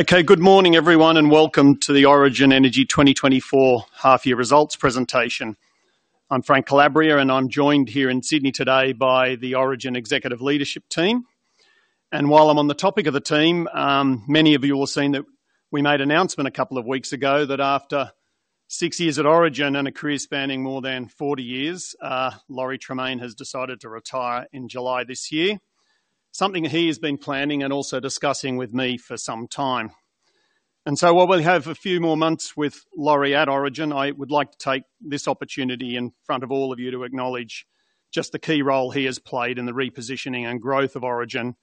Okay, good morning, everyone, and welcome to the Origin Energy 2024 Half Year Results Presentation. I'm Frank Calabria, and I'm joined here in Sydney today by the Origin executive leadership team. While I'm on the topic of the team, many of you will have seen that we made an announcement a couple of weeks ago that after six years at Origin and a career spanning more than 40 years, Lawrie Tremaine has decided to retire in July this year. Something he has been planning and also discussing with me for some time. While we have a few more months with Lawrie at Origin, I would like to take this opportunity in front of all of you to acknowledge just the key role he has played in the repositioning and growth of Origin,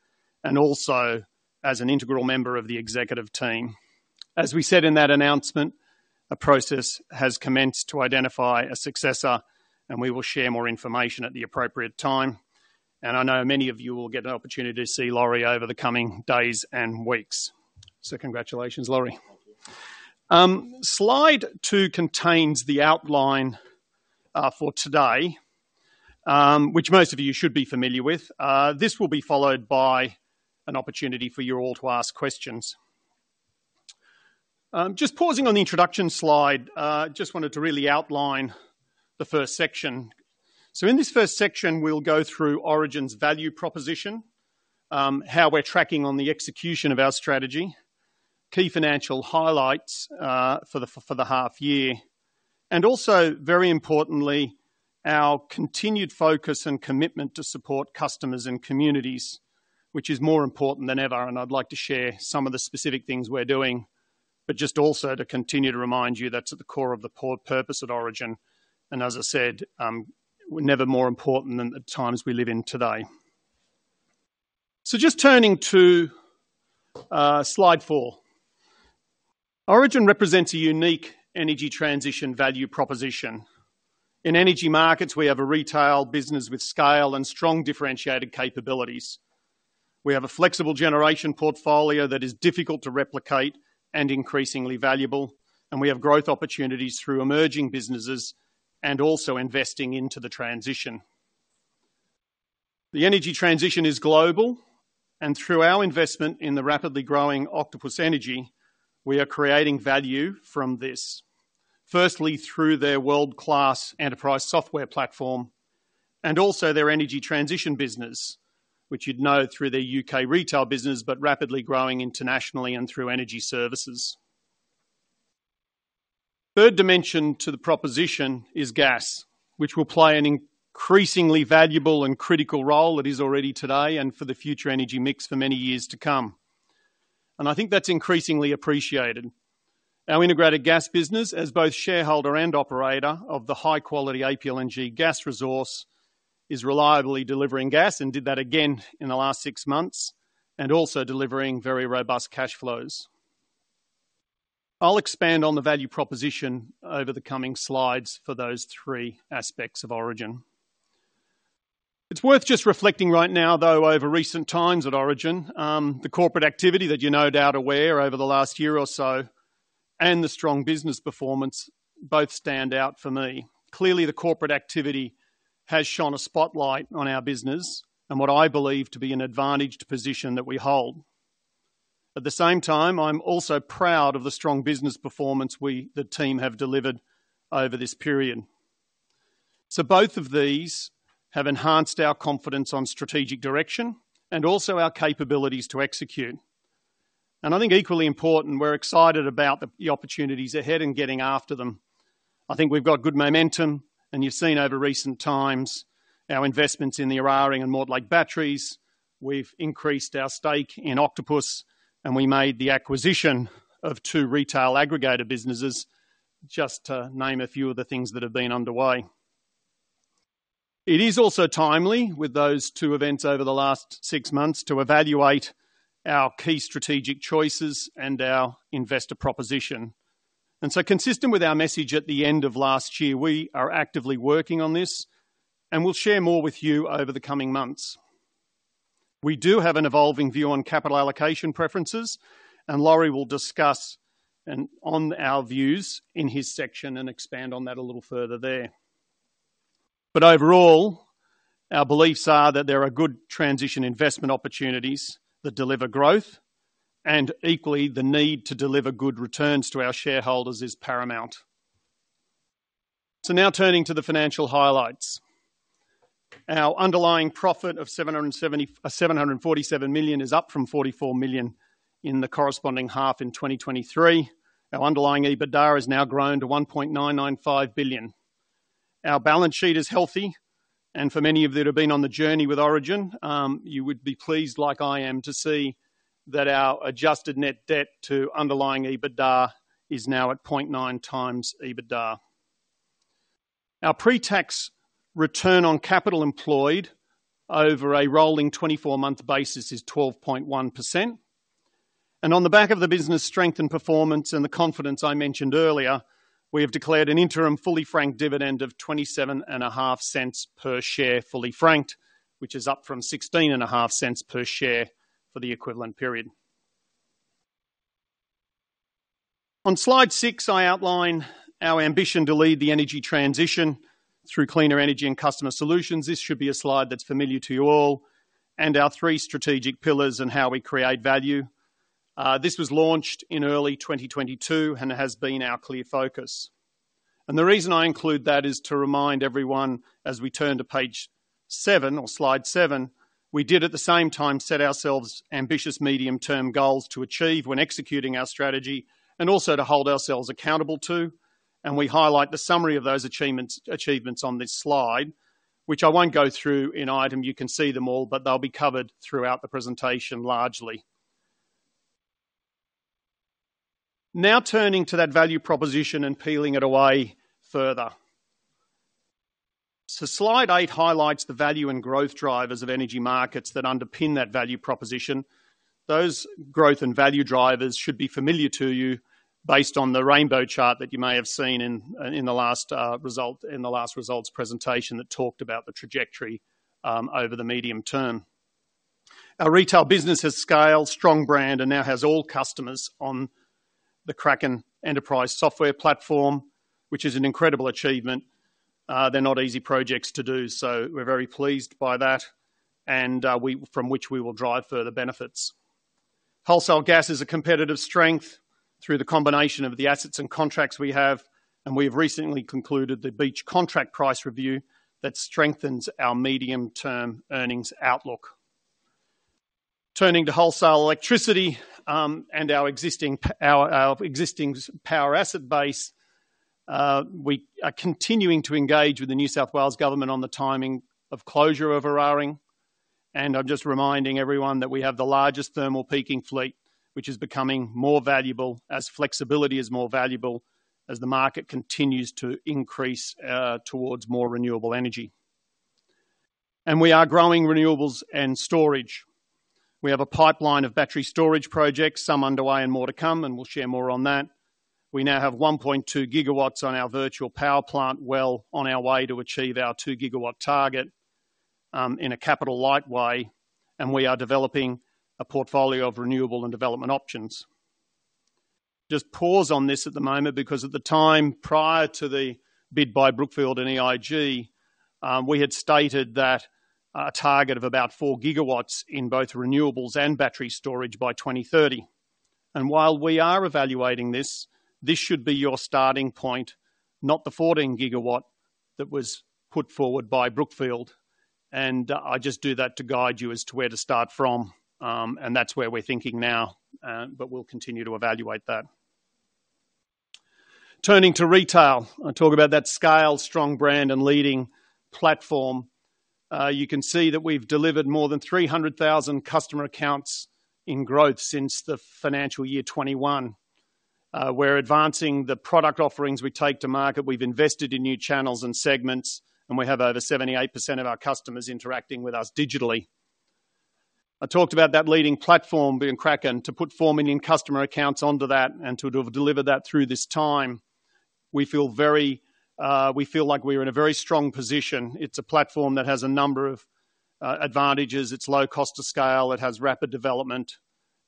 and also as an integral member of the executive team. As we said in that announcement, a process has commenced to identify a successor, and we will share more information at the appropriate time. And I know many of you will get an opportunity to see Lawrie over the coming days and weeks. So congratulations, Lawrie. Slide two contains the outline, for today, which most of you should be familiar with. This will be followed by an opportunity for you all to ask questions. Just pausing on the introduction slide, just wanted to really outline the first section. So in this first section, we'll go through Origin's value proposition, how we're tracking on the execution of our strategy, key financial highlights for the half year, and also, very importantly, our continued focus and commitment to support customers and communities, which is more important than ever, and I'd like to share some of the specific things we're doing. But just also to continue to remind you that's at the core of the core purpose at Origin, and as I said, never more important than the times we live in today. So just turning to slide four. Origin represents a unique energy transition value proposition. In energy markets, we have a retail business with scale and strong differentiated capabilities. We have a flexible generation portfolio that is difficult to replicate and increasingly valuable, and we have growth opportunities through emerging businesses and also investing into the transition. The energy transition is global, and through our investment in the rapidly growing Octopus Energy, we are creating value from this. Firstly, through their world-class enterprise software platform and also their energy transition business, which you'd know through their U.K. retail business, but rapidly growing internationally and through energy services. Third dimension to the proposition is gas, which will play an increasingly valuable and critical role. It is already today and for the future energy mix for many years to come, and I think that's increasingly appreciated. Our integrated gas business, as both shareholder and operator of the high-quality APLNG gas resource, is reliably delivering gas and did that again in the last six months, and also delivering very robust cash flows. I'll expand on the value proposition over the coming slides for those three aspects of Origin. It's worth just reflecting right now, though, over recent times at Origin, the corporate activity that you're no doubt aware of over the last year or so, and the strong business performance both stand out for me. Clearly, the corporate activity has shone a spotlight on our business and what I believe to be an advantaged position that we hold. At the same time, I'm also proud of the strong business performance we, the team, have delivered over this period. Both of these have enhanced our confidence on strategic direction and also our capabilities to execute. I think equally important, we're excited about the opportunities ahead and getting after them. I think we've got good momentum, and you've seen over recent times our investments in the Eraring and Mortlake batteries. We've increased our stake in Octopus, and we made the acquisition of two retail aggregator businesses, just to name a few of the things that have been underway. It is also timely, with those two events over the last six months, to evaluate our key strategic choices and our investor proposition. So consistent with our message at the end of last year, we are actively working on this, and we'll share more with you over the coming months. We do have an evolving view on capital allocation preferences, and Lawrie will discuss on our views in his section and expand on that a little further there. But overall, our beliefs are that there are good transition investment opportunities that deliver growth, and equally, the need to deliver good returns to our shareholders is paramount. So now turning to the financial highlights. Our underlying profit of 747 million is up from 44 million in the corresponding half in 2023. Our underlying EBITDA has now grown to 1.995 billion. Our balance sheet is healthy, and for many of you that have been on the journey with Origin, you would be pleased, like I am, to see that our adjusted net debt to underlying EBITDA is now at 0.9x EBITDA. Our pre-tax return on capital employed over a rolling 24-month basis is 12.1%. And on the back of the business strength and performance and the confidence I mentioned earlier, we have declared an interim, fully franked dividend of 0.275 per share, fully franked, which is up from 0.165 per share for the equivalent period. On slide six, I outline our ambition to lead the energy transition through cleaner energy and customer solutions. This should be a slide that's familiar to you all, and our three strategic pillars on how we create value. This was launched in early 2022 and has been our clear focus. The reason I include that is to remind everyone, as we turn to page seven or slide seven, we did at the same time set ourselves ambitious medium-term goals to achieve when executing our strategy and also to hold ourselves accountable to, and we highlight the summary of those achievements on this slide, which I won't go through in item. You can see them all, but they'll be covered throughout the presentation largely. Now, turning to that value proposition and peeling it away further. Slide eight highlights the value and growth drivers of Energy Markets that underpin that value proposition. Those growth and value drivers should be familiar to you based on the rainbow chart that you may have seen in the last results presentation that talked about the trajectory over the medium term. Our retail business has scale, strong brand, and now has all customers on the Kraken enterprise software platform, which is an incredible achievement. They're not easy projects to do, so we're very pleased by that and, from which we will drive further benefits. Wholesale gas is a competitive strength through the combination of the assets and contracts we have, and we have recently concluded the Beach contract price review that strengthens our medium-term earnings outlook. Turning to wholesale electricity, and our existing power asset base, we are continuing to engage with the New South Wales Government on the timing of closure of Eraring, and I'm just reminding everyone that we have the largest thermal peaking fleet, which is becoming more valuable as flexibility is more valuable, as the market continues to increase, towards more renewable energy. We are growing renewables and storage. We have a pipeline of battery storage projects, some underway and more to come, and we'll share more on that. We now have 1.2 GW on our virtual power plant, well on our way to achieve our 2 GW target, in a capital-light way, and we are developing a portfolio of renewable and development options. Just pause on this at the moment, because at the time, prior to the bid by Brookfield and EIG, we had stated that a target of about 4 GW in both renewables and battery storage by 2030. And while we are evaluating this, this should be your starting point, not the 14 GW that was put forward by Brookfield, and I just do that to guide you as to where to start from. And that's where we're thinking now, but we'll continue to evaluate that. Turning to retail. I talk about that scale, strong brand, and leading platform. You can see that we've delivered more than 300,000 customer accounts in growth since the financial year 2021. We're advancing the product offerings we take to market. We've invested in new channels and segments, and we have over 78% of our customers interacting with us digitally. I talked about that leading platform being Kraken. To put 4 million customer accounts onto that and to have delivered that through this time, we feel very, we feel like we are in a very strong position. It's a platform that has a number of advantages. It's low cost to scale, it has rapid development.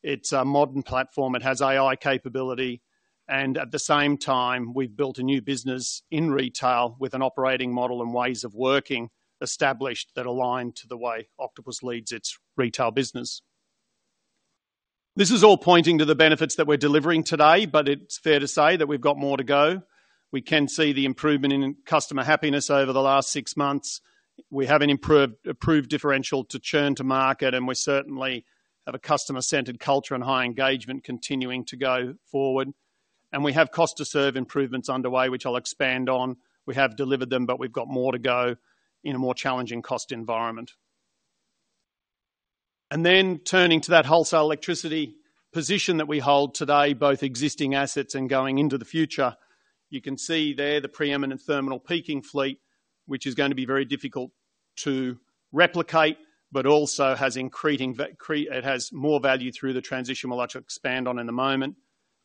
It's a modern platform, it has AI capability, and at the same time, we've built a new business in retail with an operating model and ways of working established that align to the way Octopus leads its retail business. This is all pointing to the benefits that we're delivering today, but it's fair to say that we've got more to go. We can see the improvement in customer happiness over the last six months. We have an improved, improved differential to churn to market, and we certainly have a customer-centered culture and high engagement continuing to go forward. We have cost-to-serve improvements underway, which I'll expand on. We have delivered them, but we've got more to go in a more challenging cost environment. And then turning to that wholesale electricity position that we hold today, both existing assets and going into the future, you can see there the preeminent thermal peaking fleet, which is going to be very difficult to replicate, but also has increasing value through the transition, which I'll expand on in a moment.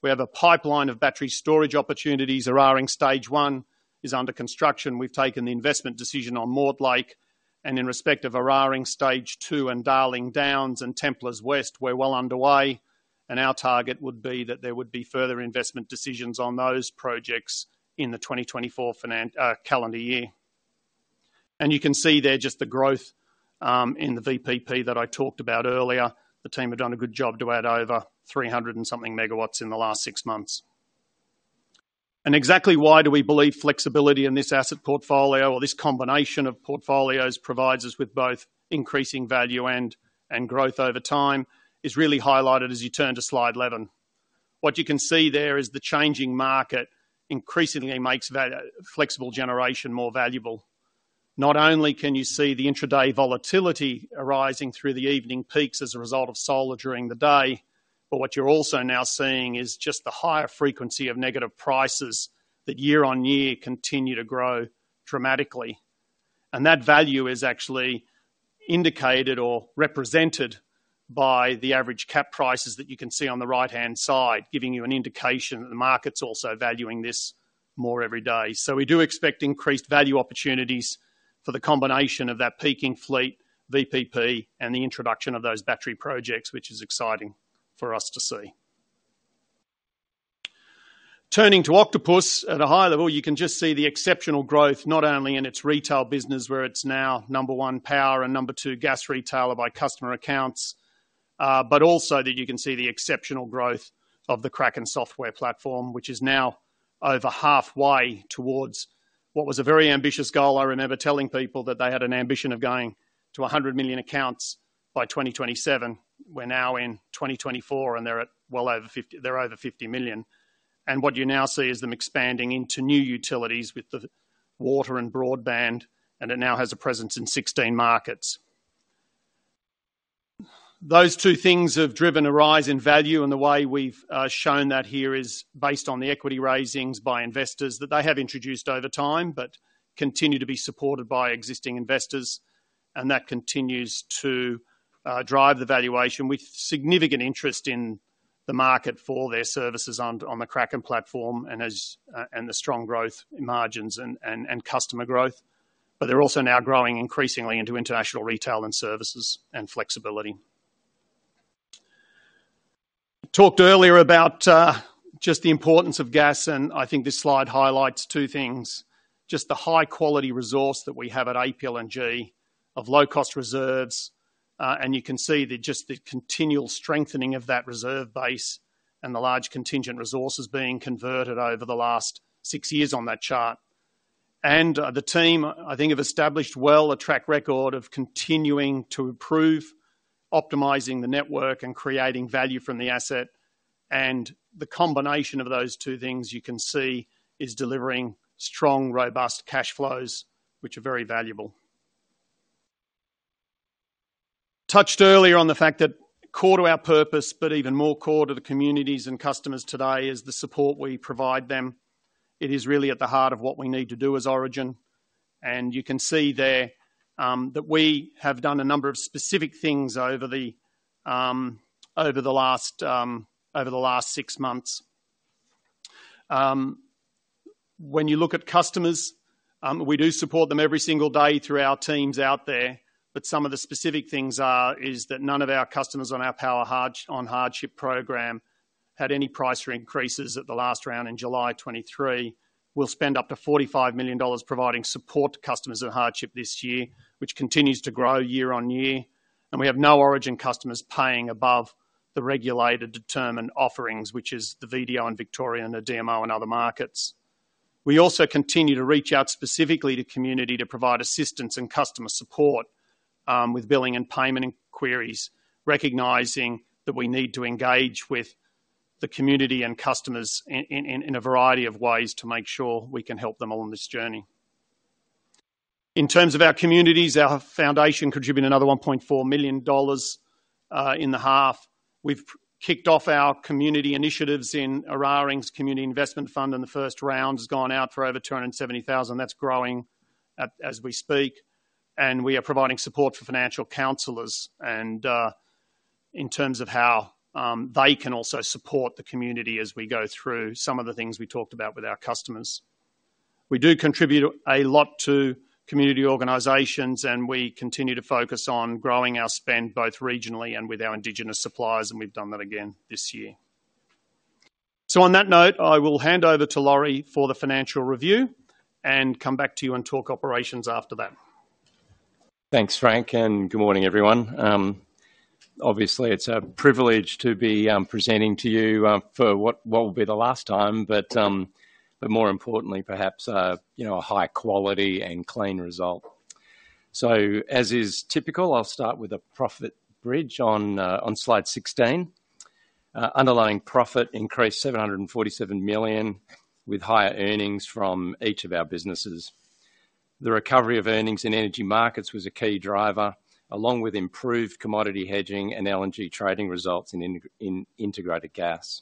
We have a pipeline of battery storage opportunities. Eraring Stage One is under construction. We've taken the investment decision on Mortlake and in respect of Eraring Stage Two and Darling Downs and Templers BESS, we're well underway, and our target would be that there would be further investment decisions on those projects in the 2024 calendar year. And you can see there just the growth in the VPP that I talked about earlier. The team have done a good job to add over 300-something MW in the last six months. Exactly why do we believe flexibility in this asset portfolio or this combination of portfolios provides us with both increasing value and growth over time is really highlighted as you turn to slide 11. What you can see there is the changing market increasingly makes flexible generation more valuable. Not only can you see the intraday volatility arising through the evening peaks as a result of solar during the day, but what you're also now seeing is just the higher frequency of negative prices that year-on-year continue to grow dramatically, and that value is actually indicated or represented by the average cap prices that you can see on the right-hand side, giving you an indication that the market's also valuing this more every day. So we do expect increased value opportunities for the combination of that peaking fleet, VPP, and the introduction of those battery projects, which is exciting for us to see. Turning to Octopus, at a high level, you can just see the exceptional growth, not only in its retail business, where it's now number one power and number two gas retailer by customer accounts, but also that you can see the exceptional growth of the Kraken software platform, which is now over halfway towards what was a very ambitious goal. I remember telling people that they had an ambition of going to 100 million accounts by 2027. We're now in 2024, and they're well over 50 million. And what you now see is them expanding into new utilities with the water and broadband, and it now has a presence in 16 markets. Those two things have driven a rise in value, and the way we've shown that here is based on the equity raisings by investors that they have introduced over time, but continue to be supported by existing investors, and that continues to drive the valuation with significant interest in the market for their services on the Kraken platform and the strong growth in margins and customer growth. But they're also now growing increasingly into international retail and services and flexibility. Talked earlier about just the importance of gas, and I think this slide highlights two things: just the high-quality resource that we have at APLNG of low-cost reserves, and you can see the continual strengthening of that reserve base and the large contingent resources being converted over the last six years on that chart. The team, I think, have established well a track record of continuing to improve, optimizing the network, and creating value from the asset. The combination of those two things, you can see, is delivering strong, robust cash flows, which are very valuable. Touched earlier on the fact that core to our purpose, but even more core to the communities and customers today, is the support we provide them. It is really at the heart of what we need to do as Origin, and you can see there, that we have done a number of specific things over the last six months. When you look at customers, we do support them every single day through our teams out there, but some of the specific things are, is that none of our customers on our Power On Hardship Program had any price increases at the last round in July 2023. We'll spend up to 45 million dollars providing support to customers in hardship this year, which continues to grow year on year, and we have no Origin customers paying above the regulator-determined offerings, which is the VDO in Victoria and the DMO in other markets. We also continue to reach out specifically to community to provide assistance and customer support, with billing and payment inquiries, recognizing that we need to engage with the community and customers in a variety of ways to make sure we can help them on this journey. In terms of our communities, our foundation contributed another 1.4 million dollars in the half. We've kicked off our community initiatives in Eraring's Community Investment Fund, and the first round has gone out for over 270,000. That's growing as we speak, and we are providing support for financial counselors and in terms of how they can also support the community as we go through some of the things we talked about with our customers. We do contribute a lot to community organizations, and we continue to focus on growing our spend, both regionally and with our indigenous suppliers, and we've done that again this year. So on that note, I will hand over to Lawrie for the financial review and come back to you and talk operations after that. Thanks, Frank, and good morning, everyone. Obviously, it's a privilege to be presenting to you for what will be the last time, but more importantly, perhaps, you know, a high quality and clean result. So as is typical, I'll start with a profit bridge on slide 16. Underlying profit increased 747 million, with higher earnings from each of our businesses. The recovery of earnings in Energy Markets was a key driver, along with improved commodity hedging and LNG Trading results in integrated gas.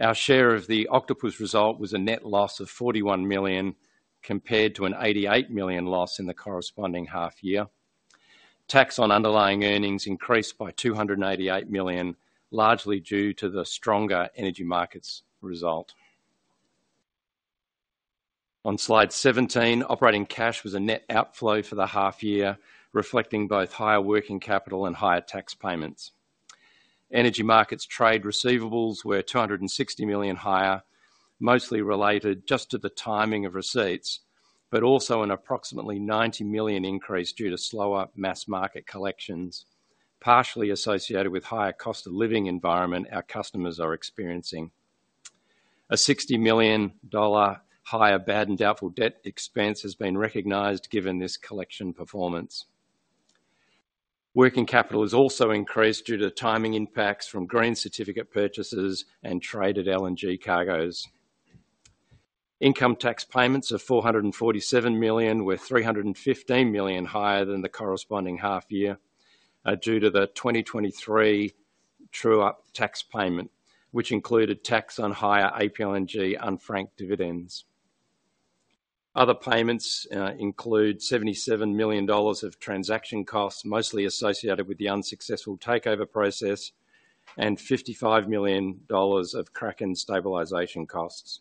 Our share of the Octopus result was a net loss of 41 million, compared to an 88 million loss in the corresponding half year. Tax on underlying earnings increased by 288 million, largely due to the stronger Energy Markets result. On slide 17, operating cash was a net outflow for the half year, reflecting both higher working capital and higher tax payments. Energy markets trade receivables were 260 million higher, mostly related just to the timing of receipts, but also an approximately 90 million increase due to slower mass-market collections, partially associated with higher cost of living environment our customers are experiencing. A 60 million dollar higher bad and doubtful debt expense has been recognized given this collection performance. Working capital has also increased due to timing impacts from green certificate purchases and traded LNG cargoes. Income tax payments of 447 million were 315 million higher than the corresponding half year due to the 2023 true up tax payment, which included tax on higher APLNG unfranked dividends. Other payments include 77 million dollars of transaction costs, mostly associated with the unsuccessful takeover process, and 55 million dollars of Kraken stabilization costs.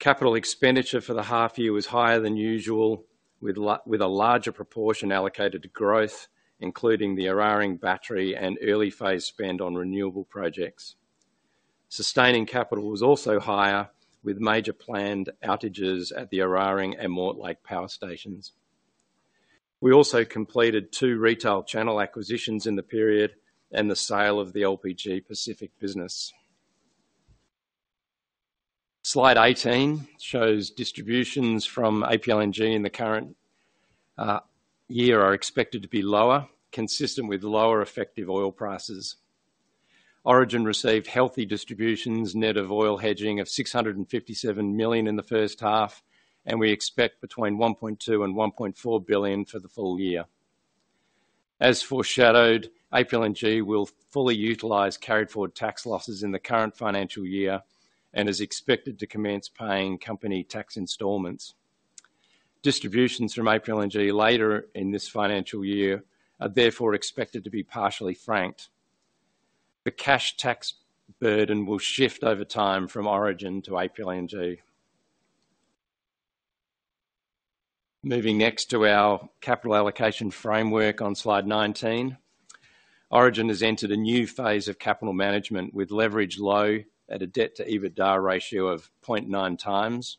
Capital expenditure for the half year was higher than usual, with a larger proportion allocated to growth, including the Eraring Battery and early phase spend on renewable projects. Sustaining capital was also higher, with major planned outages at the Eraring and Mortlake power stations. We also completed two retail channel acquisitions in the period and the sale of the LPG Pacific business. Slide 18 shows distributions from APLNG in the current year are expected to be lower, consistent with lower effective oil prices. Origin received healthy distributions, net of oil hedging of 657 million in the first half, and we expect between 1.2 billion and 1.4 billion for the full year. As foreshadowed, APLNG will fully utilize carried forward tax losses in the current financial year and is expected to commence paying company tax installments. Distributions from APLNG later in this financial year are therefore expected to be partially franked. The cash tax burden will shift over time from Origin to APLNG. Moving next to our capital allocation framework on slide 19. Origin has entered a new phase of capital management, with leverage low at a debt to EBITDA ratio of 0.9x.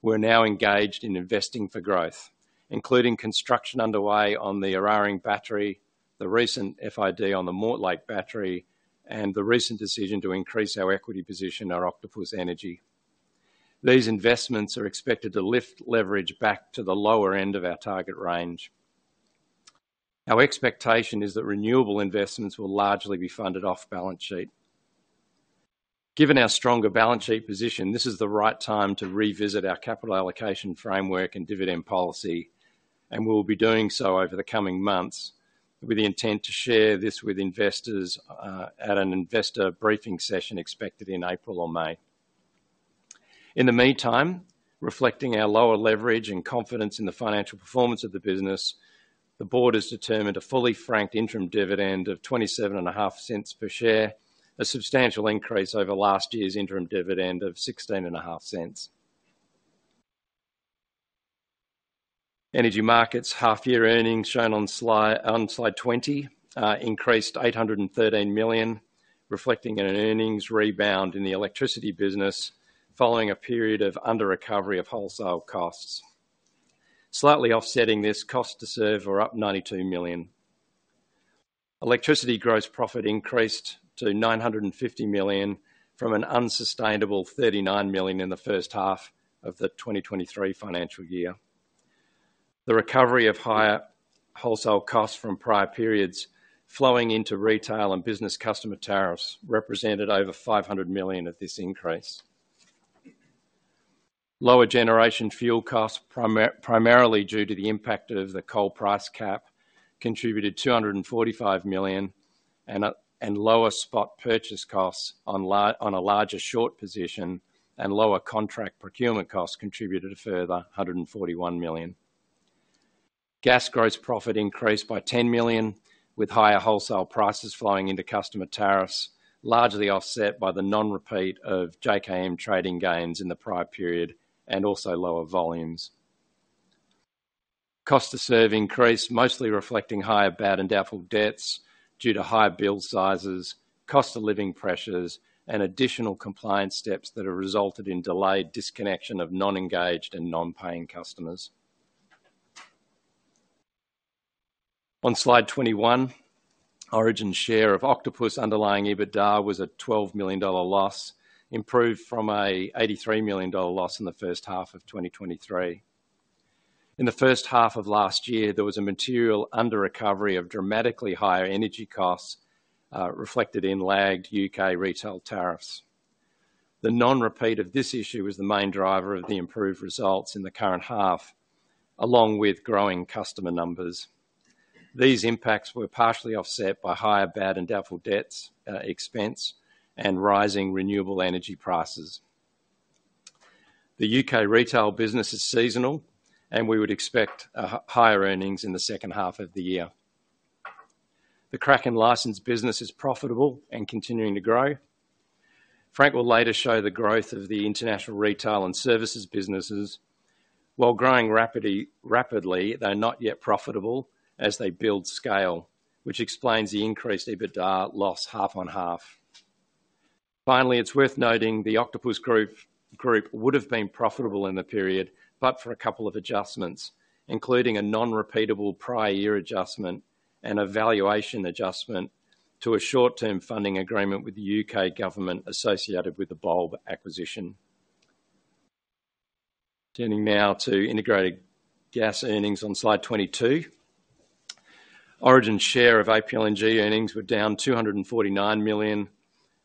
We're now engaged in investing for growth, including construction underway on the Eraring Battery, the recent FID on the Mortlake Battery, and the recent decision to increase our equity position on Octopus Energy. These investments are expected to lift leverage back to the lower end of our target range. Our expectation is that renewable investments will largely be funded off balance sheet. Given our stronger balance sheet position, this is the right time to revisit our capital allocation framework and dividend policy, and we'll be doing so over the coming months, with the intent to share this with investors, at an investor briefing session expected in April or May. In the meantime, reflecting our lower leverage and confidence in the financial performance of the business, the board has determined a fully franked interim dividend of 0.275 per share, a substantial increase over last year's interim dividend of 0.165 per share. Energy Markets' half-year earnings, shown on slide 20, increased 813 million, reflecting an earnings rebound in the electricity business following a period of under recovery of wholesale costs. Slightly offsetting this, cost to serve are up 92 million. Electricity gross profit increased to 950 million from an unsustainable 39 million in the first half of the 2023 financial year. The recovery of higher wholesale costs from prior periods flowing into retail and business customer tariffs represented over 500 million of this increase. Lower generation fuel costs, primarily due to the impact of the coal price cap, contributed 245 million and lower spot purchase costs on a larger short position and lower contract procurement costs contributed a further 141 million. Gas gross profit increased by 10 million, with higher wholesale prices flowing into customer tariffs, largely offset by the non-repeat of JKM trading gains in the prior period and also lower volumes. Cost to serve increased, mostly reflecting higher bad and doubtful debts due to higher bill sizes, cost of living pressures, and additional compliance steps that have resulted in delayed disconnection of non-engaged and non-paying customers. On slide 21, Origin's share of Octopus underlying EBITDA was a 12 million dollar loss, improved from a 83 million dollar loss in the first half of 2023. In the first half of last year, there was a material under recovery of dramatically higher energy costs, reflected in lagged U.K. retail tariffs. The non-repeat of this issue was the main driver of the improved results in the current half, along with growing customer numbers. These impacts were partially offset by higher bad and doubtful debts expense, and rising renewable energy prices. The U.K. retail business is seasonal, and we would expect higher earnings in the second half of the year. The Kraken licensed business is profitable and continuing to grow. Frank will later show the growth of the international retail and services businesses. While growing rapidly, they are not yet profitable as they build scale, which explains the increased EBITDA loss half on half. Finally, it's worth noting the Octopus Group would have been profitable in the period, but for a couple of adjustments, including a non-repeatable prior year adjustment and a valuation adjustment to a short-term funding agreement with the U.K. government associated with the Bulb acquisition. Turning now to integrated gas earnings on slide 22. Origin's share of APLNG earnings were down 249 million,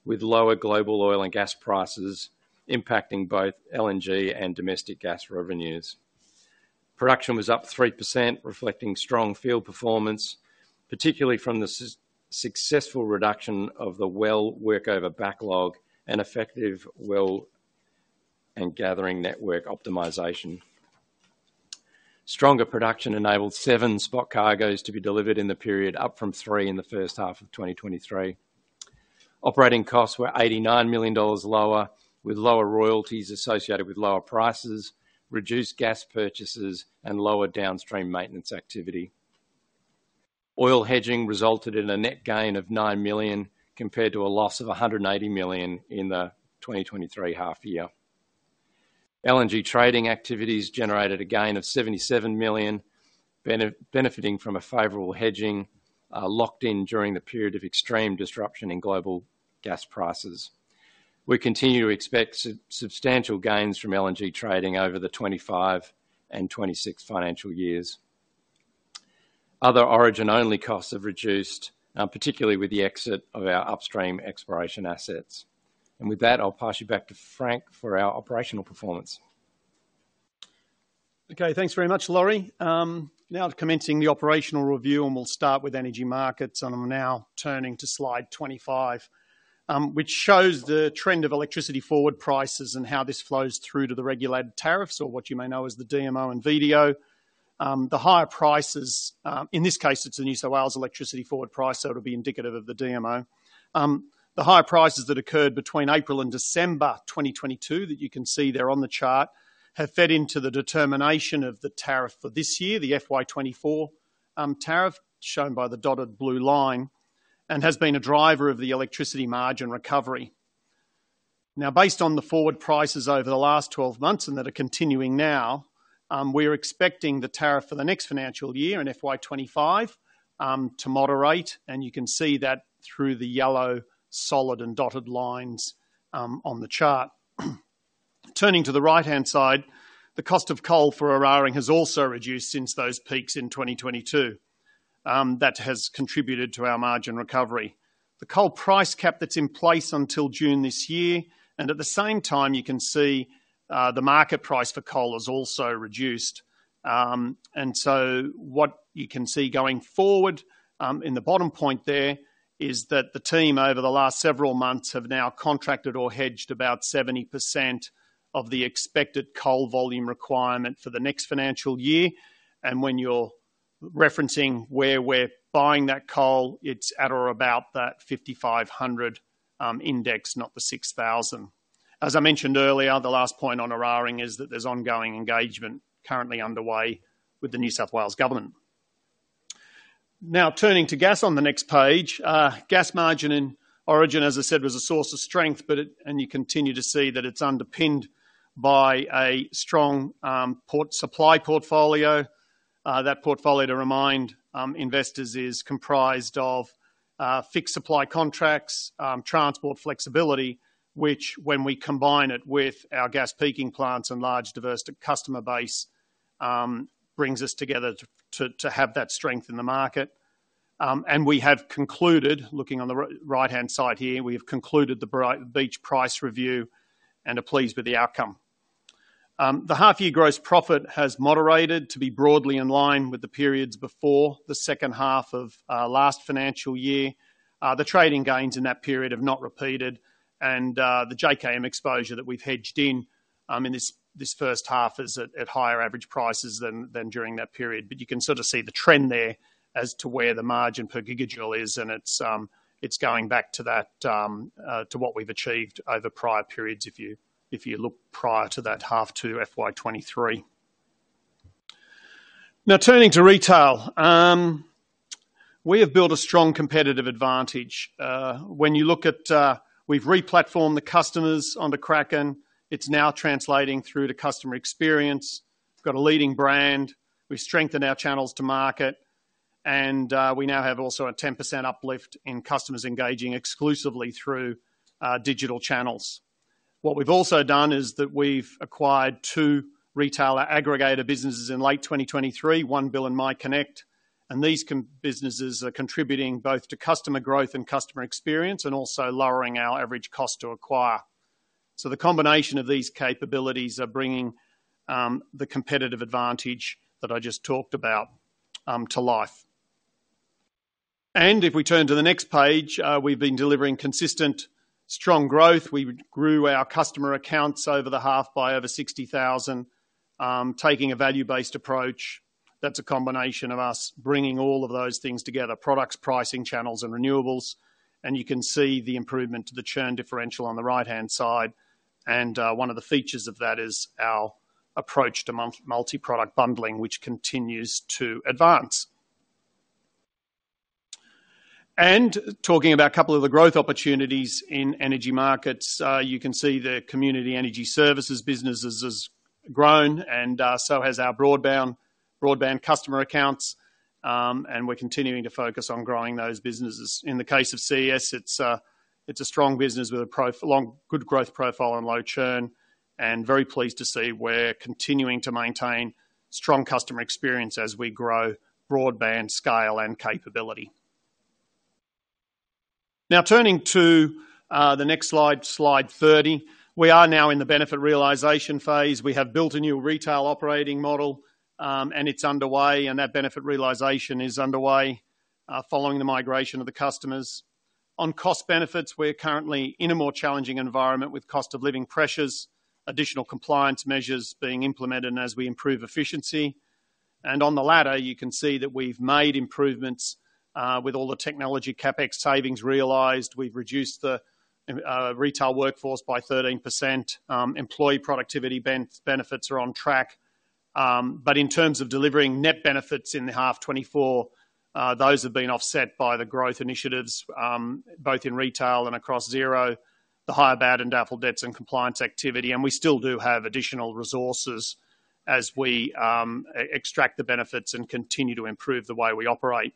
with lower global oil and gas prices impacting both LNG and domestic gas revenues. Production was up 3%, reflecting strong field performance, particularly from the successful reduction of the well workover backlog and effective well and gathering network optimization. Stronger production enabled seven spot cargoes to be delivered in the period, up from 3 in the first half of 2023. Operating costs were 89 million dollars lower, with lower royalties associated with lower prices, reduced gas purchases, and lower downstream maintenance activity. Oil hedging resulted in a net gain of 9 million, compared to a loss of 180 million in the 2023 half year. LNG trading activities generated a gain of 77 million, benefiting from a favorable hedging locked in during the period of extreme disruption in global gas prices. We continue to expect substantial gains from LNG trading over the 2025 and 2026 financial years. Other Origin-only costs have reduced, particularly with the exit of our upstream exploration assets. With that, I'll pass you back to Frank for our operational performance. Okay, thanks very much, Lawrie. Now to commencing the operational review, and we'll start with energy markets, and I'm now turning to slide 25, which shows the trend of electricity forward prices and how this flows through to the regulated tariffs, or what you may know as the DMO and VDO. The higher prices, in this case, it's the New South Wales electricity forward price, so it'll be indicative of the DMO. The higher prices that occurred between April and December 2022, that you can see there on the chart, have fed into the determination of the tariff for this year, the FY 2024 tariff, shown by the dotted blue line, and has been a driver of the electricity margin recovery. Now, based on the forward prices over the last 12 months, and that are continuing now, we're expecting the tariff for the next financial year, in FY 2025, to moderate, and you can see that through the yellow solid and dotted lines, on the chart. Turning to the right-hand side, the cost of coal for Eraring has also reduced since those peaks in 2022, that has contributed to our margin recovery. The coal price cap that's in place until June this year, and at the same time, you can see, the market price for coal has also reduced. And so what you can see going forward, in the bottom point there, is that the team, over the last several months, have now contracted or hedged about 70% of the expected coal volume requirement for the next financial year. When you're referencing where we're buying that coal, it's at or about that 5,500 index, not the 6,000. As I mentioned earlier, the last point on Eraring is that there's ongoing engagement currently underway with the New South Wales Government. Now, turning to gas on the next page. Gas margin in Origin, as I said, was a source of strength, but and you continue to see that it's underpinned by a strong spot supply portfolio. That portfolio, to remind investors, is comprised of fixed supply contracts, transport flexibility, which when we combine it with our gas peaking plants and large diverse customer base, brings us together to have that strength in the market. And we have concluded, looking on the right-hand side here, we have concluded the Beach Price Review and are pleased with the outcome. The half-year gross profit has moderated to be broadly in line with the periods before the second half of last financial year. The trading gains in that period have not repeated, and the JKM exposure that we've hedged in this first half is at higher average prices than during that period. But you can sort of see the trend there as to where the margin per gigajoule is, and it's going back to that to what we've achieved over prior periods if you look prior to that half two FY 2023. Now, turning to retail. We have built a strong competitive advantage. When you look at, we've re-platformed the customers onto Kraken. It's now translating through to customer experience. We've got a leading brand. We've strengthened our channels to market, and we now have also a 10% uplift in customers engaging exclusively through digital channels. What we've also done is that we've acquired two retailer aggregator businesses in late 2023, OneBill and MyConnect, and these businesses are contributing both to customer growth and customer experience, and also lowering our average cost to acquire. So the combination of these capabilities are bringing the competitive advantage that I just talked about to life. And if we turn to the next page, we've been delivering consistent, strong growth. We grew our customer accounts over the half by over 60,000 taking a value-based approach. That's a combination of us bringing all of those things together: products, pricing, channels, and renewables. And you can see the improvement to the churn differential on the right-hand side, and one of the features of that is our approach to multi-product bundling, which continues to advance. And talking about a couple of the growth opportunities in energy markets, you can see the Community Energy Services businesses has grown and, so has our broadband customer accounts, and we're continuing to focus on growing those businesses. In the case of CES, it's a strong business with a long, good growth profile and low churn, and very pleased to see we're continuing to maintain strong customer experience as we grow broadband scale and capability. Now, turning to the next slide, slide 30. We are now in the benefit realization phase. We have built a new retail operating model, and it's underway, and that benefit realization is underway, following the migration of the customers. On cost benefits, we're currently in a more challenging environment with cost of living pressures, additional compliance measures being implemented as we improve efficiency. On the latter, you can see that we've made improvements, with all the technology CapEx savings realized. We've reduced the retail workforce by 13%. Employee productivity benefits are on track. But in terms of delivering net benefits in the half 2024, those have been offset by the growth initiatives, both in retail and across Zero, the higher bad and doubtful debts and compliance activity, and we still do have additional resources as we extract the benefits and continue to improve the way we operate.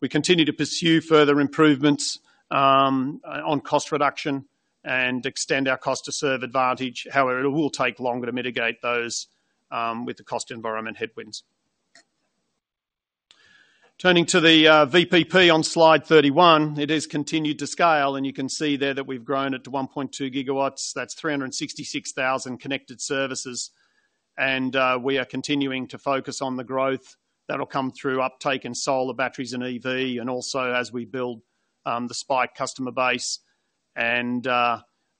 We continue to pursue further improvements on cost reduction and extend our cost to serve advantage. However, it will take longer to mitigate those with the cost environment headwinds. Turning to the VPP on slide 31, it has continued to scale, and you can see there that we've grown it to 1.2 GW. That's 366,000 connected services, and we are continuing to focus on the growth that'll come through uptake in solar, batteries, and EV, and also as we build the Spike customer base. And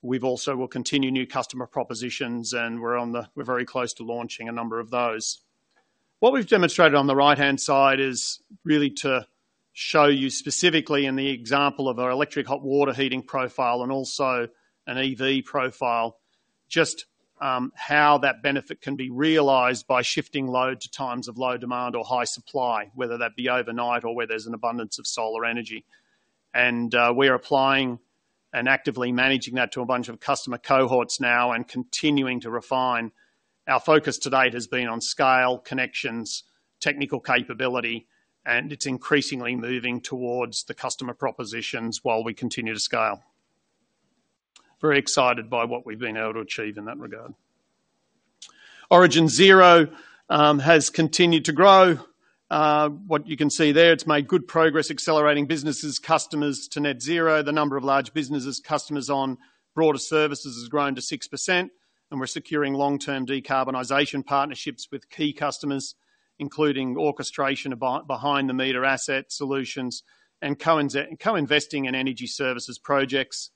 we've also will continue new customer propositions, and we're on the-- we're very close to launching a number of those. What we've demonstrated on the right-hand side is really to show you specifically in the example of our electric hot water heating profile and also an EV profile, just how that benefit can be realized by shifting load to times of low demand or high supply, whether that be overnight or where there's an abundance of solar energy. And we are applying and actively managing that to a bunch of customer cohorts now and continuing to refine. Our focus to date has been on scale, connections, technical capability, and it's increasingly moving towards the customer propositions while we continue to scale. Very excited by what we've been able to achieve in that regard. Origin Zero has continued to grow. What you can see there, it's made good progress accelerating businesses, customers to net zero. The number of large businesses, customers on broader services has grown to 6%, and we're securing long-term decarbonization partnerships with key customers, including orchestration behind-the-meter asset solutions and co-investing in energy services projects.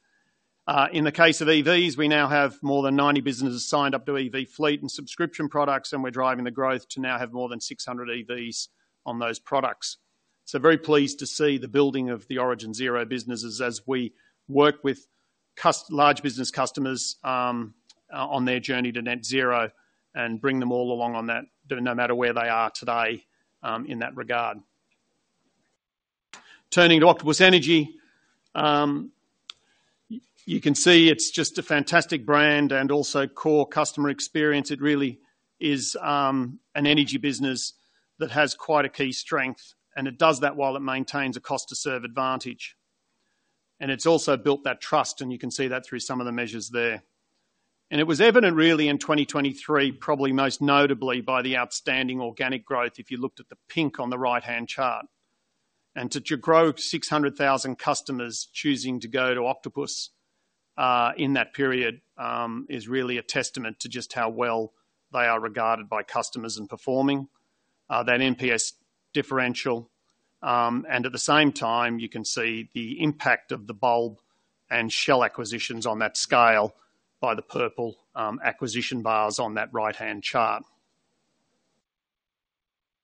In the case of EVs, we now have more than 90 businesses signed up to EV fleet and subscription products, and we're driving the growth to now have more than 600 EVs on those products. So very pleased to see the building of the Origin Zero businesses as we work with large business customers on their journey to net zero and bring them all along on that, no matter where they are today, in that regard. Turning to Octopus Energy, you can see it's just a fantastic brand and also core customer experience. It really is an energy business that has quite a key strength, and it does that while it maintains a cost to serve advantage. It's also built that trust, and you can see that through some of the measures there. It was evident really in 2023, probably most notably by the outstanding organic growth, if you looked at the pink on the right-hand chart. To grow 600,000 customers choosing to go to Octopus in that period is really a testament to just how well they are regarded by customers in performing that NPS differential. And at the same time, you can see the impact of the Bulb and Shell acquisitions on that scale by the purple acquisition bars on that right-hand chart.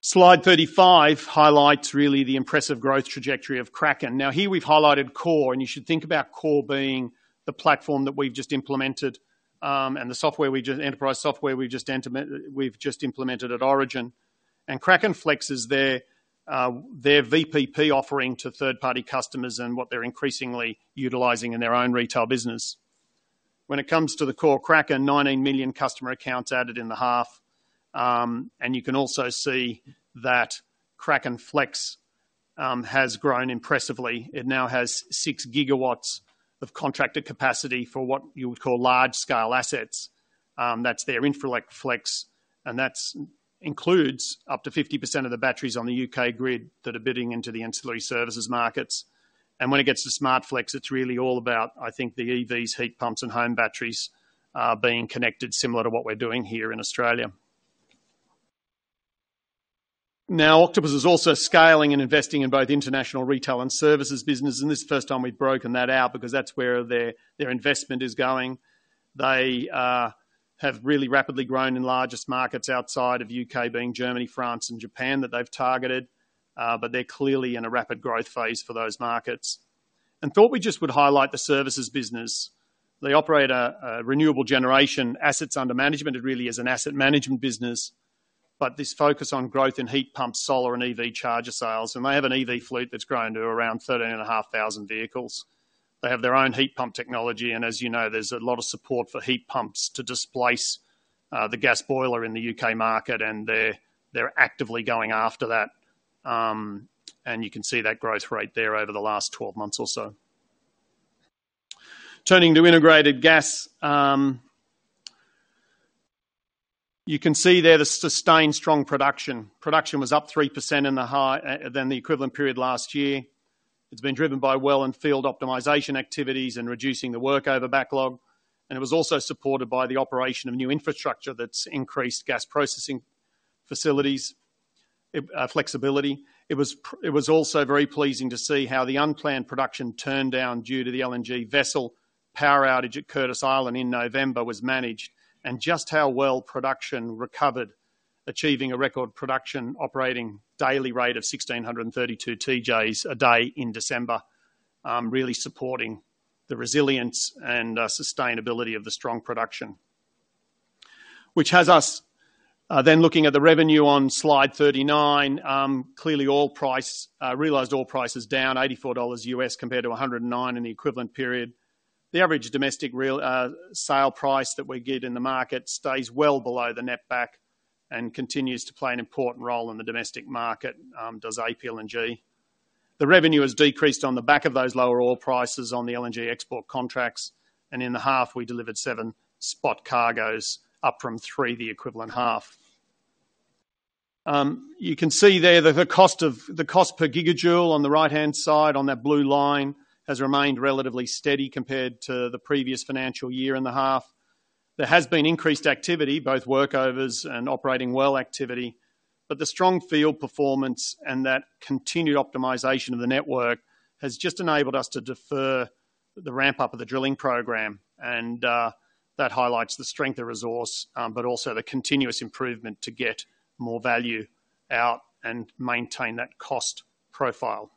Slide 35 highlights really the impressive growth trajectory of Kraken. Now, here we've highlighted Core, and you should think about Core being the platform that we've just implemented, and the enterprise software we've just implemented at Origin. KrakenFlex is their their VPP offering to third-party customers and what they're increasingly utilizing in their own retail business. When it comes to the core Kraken, 19 million customer accounts added in the half. And you can also see that KrakenFlex has grown impressively. It now has 6 GWs of contracted capacity for what you would call large-scale assets. That's their InfraFlex, and that includes up to 50% of the batteries on the U.K. grid that are bidding into the ancillary services markets. When it gets to SmartFlex, it's really all about, I think the EVs, heat pumps, and home batteries, being connected, similar to what we're doing here in Australia. Now, Octopus is also scaling and investing in both international retail and services business, and this is the first time we've broken that out because that's where their, their investment is going. They have really rapidly grown in largest markets outside of U.K., being Germany, France, and Japan, that they've targeted. But they're clearly in a rapid growth phase for those markets. And thought we just would highlight the services business. They operate a renewable generation assets under management. It really is an asset management business, but this focus on growth in heat pumps, solar, and EV charger sales, and they have an EV fleet that's grown to around 13,500 vehicles. They have their own heat pump technology, and as you know, there's a lot of support for heat pumps to displace the gas boiler in the U.K. market, and they're, they're actively going after that. You can see that growth rate there over the last 12 months or so. Turning to integrated gas, you can see there the sustained strong production. Production was up 3% in the half than the equivalent period last year. It's been driven by well and field optimization activities and reducing the workover backlog, and it was also supported by the operation of new infrastructure that's increased gas processing facilities flexibility. It was also very pleasing to see how the unplanned production turned down due to the LNG vessel power outage at Curtis Island in November was managed, and just how well production recovered, achieving a record production operating daily rate of 1,632 TJs a day in December, really supporting the resilience and sustainability of the strong production. Which has us then looking at the revenue on slide 39, clearly oil price realized oil price is down $84 compared to $109 in the equivalent period. The average domestic realized sale price that we get in the market stays well below the net back and continues to play an important role in the domestic market, does APLNG. The revenue has decreased on the back of those lower oil prices on the LNG export contracts, and in the half, we delivered 7 spot cargoes, up from 3, the equivalent half. You can see there that the cost per gigajoule on the right-hand side on that blue line has remained relatively steady compared to the previous financial year and the half. There has been increased activity, both workovers and operating well activity, but the strong field performance and that continued optimization of the network has just enabled us to defer the ramp-up of the drilling program, and that highlights the strength of resource, but also the continuous improvement to get more value out and maintain that cost profile.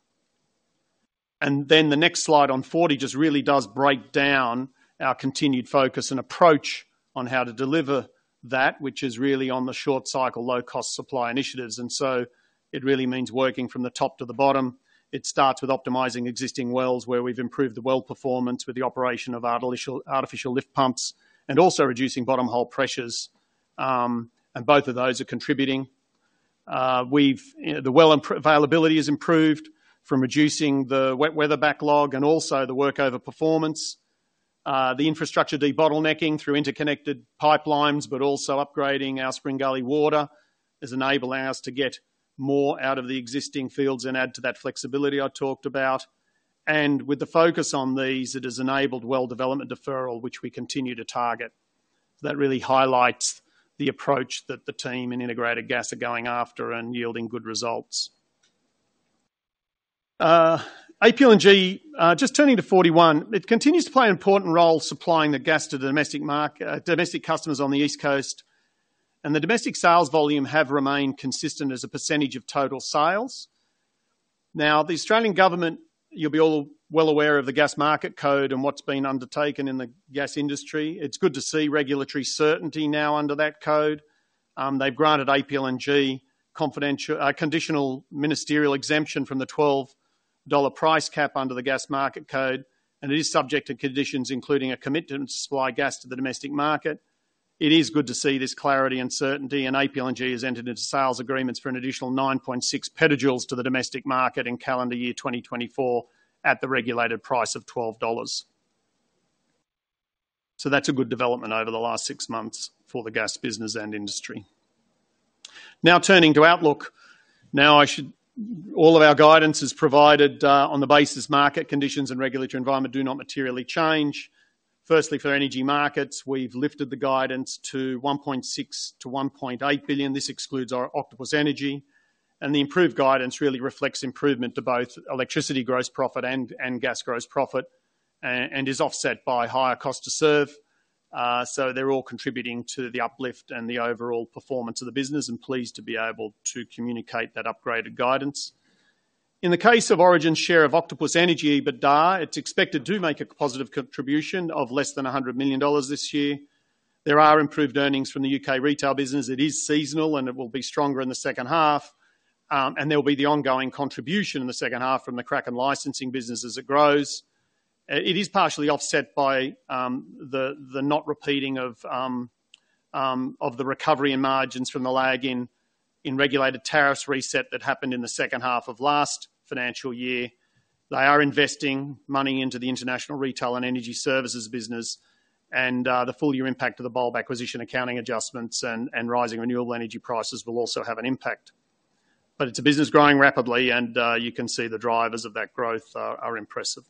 Then the next slide on 40 just really does break down our continued focus and approach on how to deliver that, which is really on the short cycle, low-cost supply initiatives, and so it really means working from the top to the bottom. It starts with optimizing existing wells, where we've improved the well performance with the operation of artificial lift pumps, and also reducing bottom hole pressures, and both of those are contributing. We've, you know, the well and production availability is improved from reducing the wet weather backlog and also the workover performance. The infrastructure debottlenecking through interconnected pipelines, but also upgrading our Spring Gully water, has enabled us to get more out of the existing fields and add to that flexibility I talked about. And with the focus on these, it has enabled well development deferral, which we continue to target. That really highlights the approach that the team in Integrated Gas are going after and yielding good results. APLNG, just turning to 41, it continues to play an important role supplying the gas to the domestic market, domestic customers on the East Coast, and the domestic sales volume have remained consistent as a percentage of total sales. Now, the Australian government, you'll be all well aware of the Gas Market Code and what's been undertaken in the gas industry. It's good to see regulatory certainty now under that code. They've granted APLNG conditional ministerial exemption from the 12 dollar price cap under the Gas Market Code, and it is subject to conditions, including a commitment to supply gas to the domestic market. It is good to see this clarity and certainty, and APLNG has entered into sales agreements for an additional 9.6 petajoules to the domestic market in calendar year 2024 at the regulated price of 12 dollars. So that's a good development over the last six months for the gas business and industry. Now, turning to outlook. Now, I should all of our guidance is provided on the basis market conditions and regulatory environment do not materially change. Firstly, for energy markets, we've lifted the guidance to 1.6 billion-1.8 billion. This excludes our Octopus Energy, and the improved guidance really reflects improvement to both electricity gross profit and gas gross profit, and is offset by higher cost to serve. So they're all contributing to the uplift and the overall performance of the business, and pleased to be able to communicate that upgraded guidance. In the case of Origin's share of Octopus Energy EBITDA, it's expected to make a positive contribution of less than 100 million dollars this year. There are improved earnings from the U.K. retail business. It is seasonal, and it will be stronger in the second half, and there will be the ongoing contribution in the second half from the Kraken licensing business as it grows. It is partially offset by the not repeating of the recovery in margins from the lag in regulated tariffs reset that happened in the second half of last financial year. They are investing money into the international retail and energy services business, and the full-year impact of the Bulb acquisition, accounting adjustments and rising renewable energy prices will also have an impact. But it's a business growing rapidly, and you can see the drivers of that growth are impressive.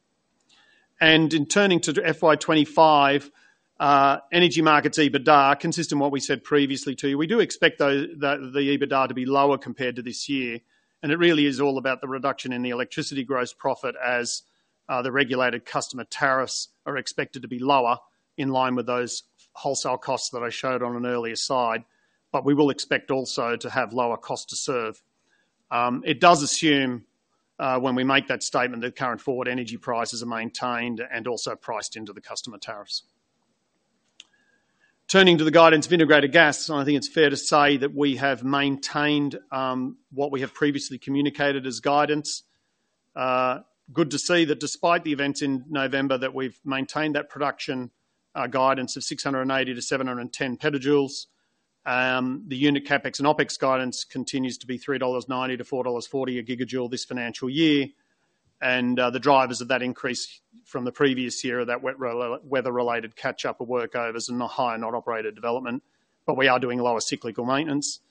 And in turning to FY 2025, Energy Markets EBITDA, consistent what we said previously to you, we do expect the EBITDA to be lower compared to this year, and it really is all about the reduction in the electricity gross profit as the regulated customer tariffs are expected to be lower in line with those wholesale costs that I showed on an earlier slide, but we will expect also to have lower cost to serve. It does assume, when we make that statement, that current forward energy prices are maintained and also priced into the customer tariffs. Turning to the guidance of integrated gas, I think it's fair to say that we have maintained what we have previously communicated as guidance. Good to see that despite the events in November, that we've maintained that production guidance of 680-710 petajoules. The unit CapEx and OpEx guidance continues to be 3.90-4.40 dollars a gigajoule this financial year, and the drivers of that increase from the previous year, that weather-related catch-up of workovers and a higher non-operated development. But we are doing lower cyclical maintenance,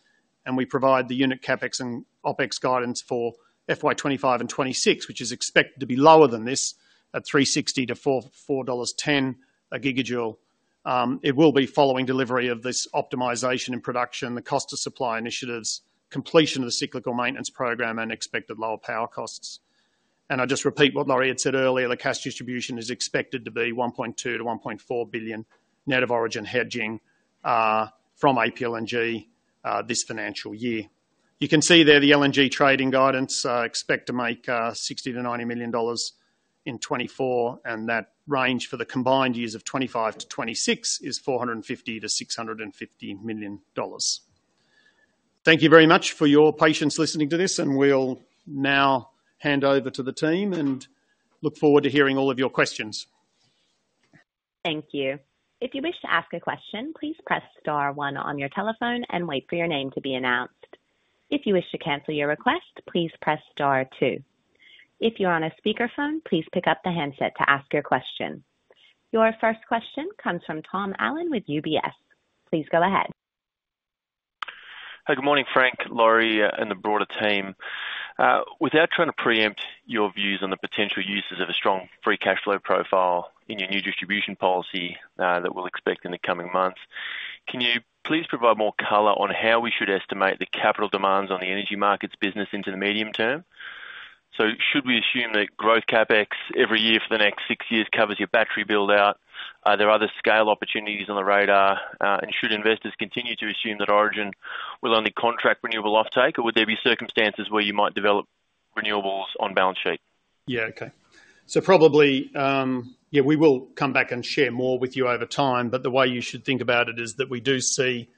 and we provide the unit CapEx and OpEx guidance for FY 2025 and 2026, which is expected to be lower than this at 3.60-4.10 dollars a gigajoule. It will be following delivery of this optimization and production, the cost of supply initiatives, completion of the cyclical maintenance program, and expected lower power costs. And I just repeat what Lawrie had said earlier, the cash distribution is expected to be 1.2 billion-1.4 billion, net of Origin hedging from APLNG this financial year. You can see there, the LNG trading guidance expect to make 60 million-90 million dollars in 2024, and that range for the combined years of 2025-2026 is 450 million-650 million dollars. Thank you very much for your patience listening to this, and we'll now hand over to the team and look forward to hearing all of your questions. Thank you. If you wish to ask a question, please press star one on your telephone and wait for your name to be announced. If you wish to cancel your request, please press star two. If you're on a speakerphone, please pick up the handset to ask your question. Your first question comes from Tom Allen with UBS. Please go ahead. Hey, good morning, Frank, Lawrie, and the broader team. Without trying to preempt your views on the potential uses of a strong free cash flow profile in your new distribution policy, that we'll expect in the coming months, can you please provide more color on how we should estimate the capital demands on the energy markets business into the medium term? So should we assume that growth CapEx every year for the next six years covers your battery build-out? Are there other scale opportunities on the radar, and should investors continue to assume that Origin will only contract renewable offtake, or would there be circumstances where you might develop renewables on balance sheet? Yeah. Okay. So probably, yeah, we will come back and share more with you over time, but the way you should think about it is that we do see,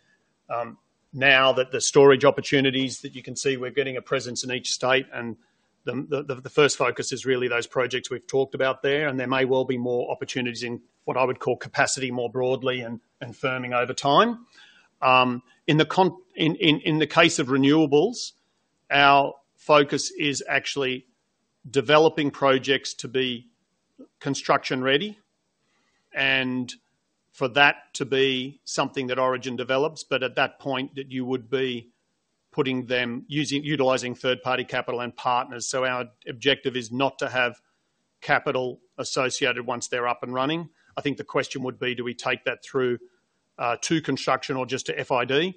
now that the storage opportunities that you can see, we're getting a presence in each state, and the first focus is really those projects we've talked about there, and there may well be more opportunities in what I would call capacity more broadly and firming over time. In the case of renewables, our focus is actually developing projects to be construction ready and for that to be something that Origin develops, but at that point, that you would be putting them utilizing third-party capital and partners. So our objective is not to have capital associated once they're up and running. I think the question would be: Do we take that through to construction or just to FID?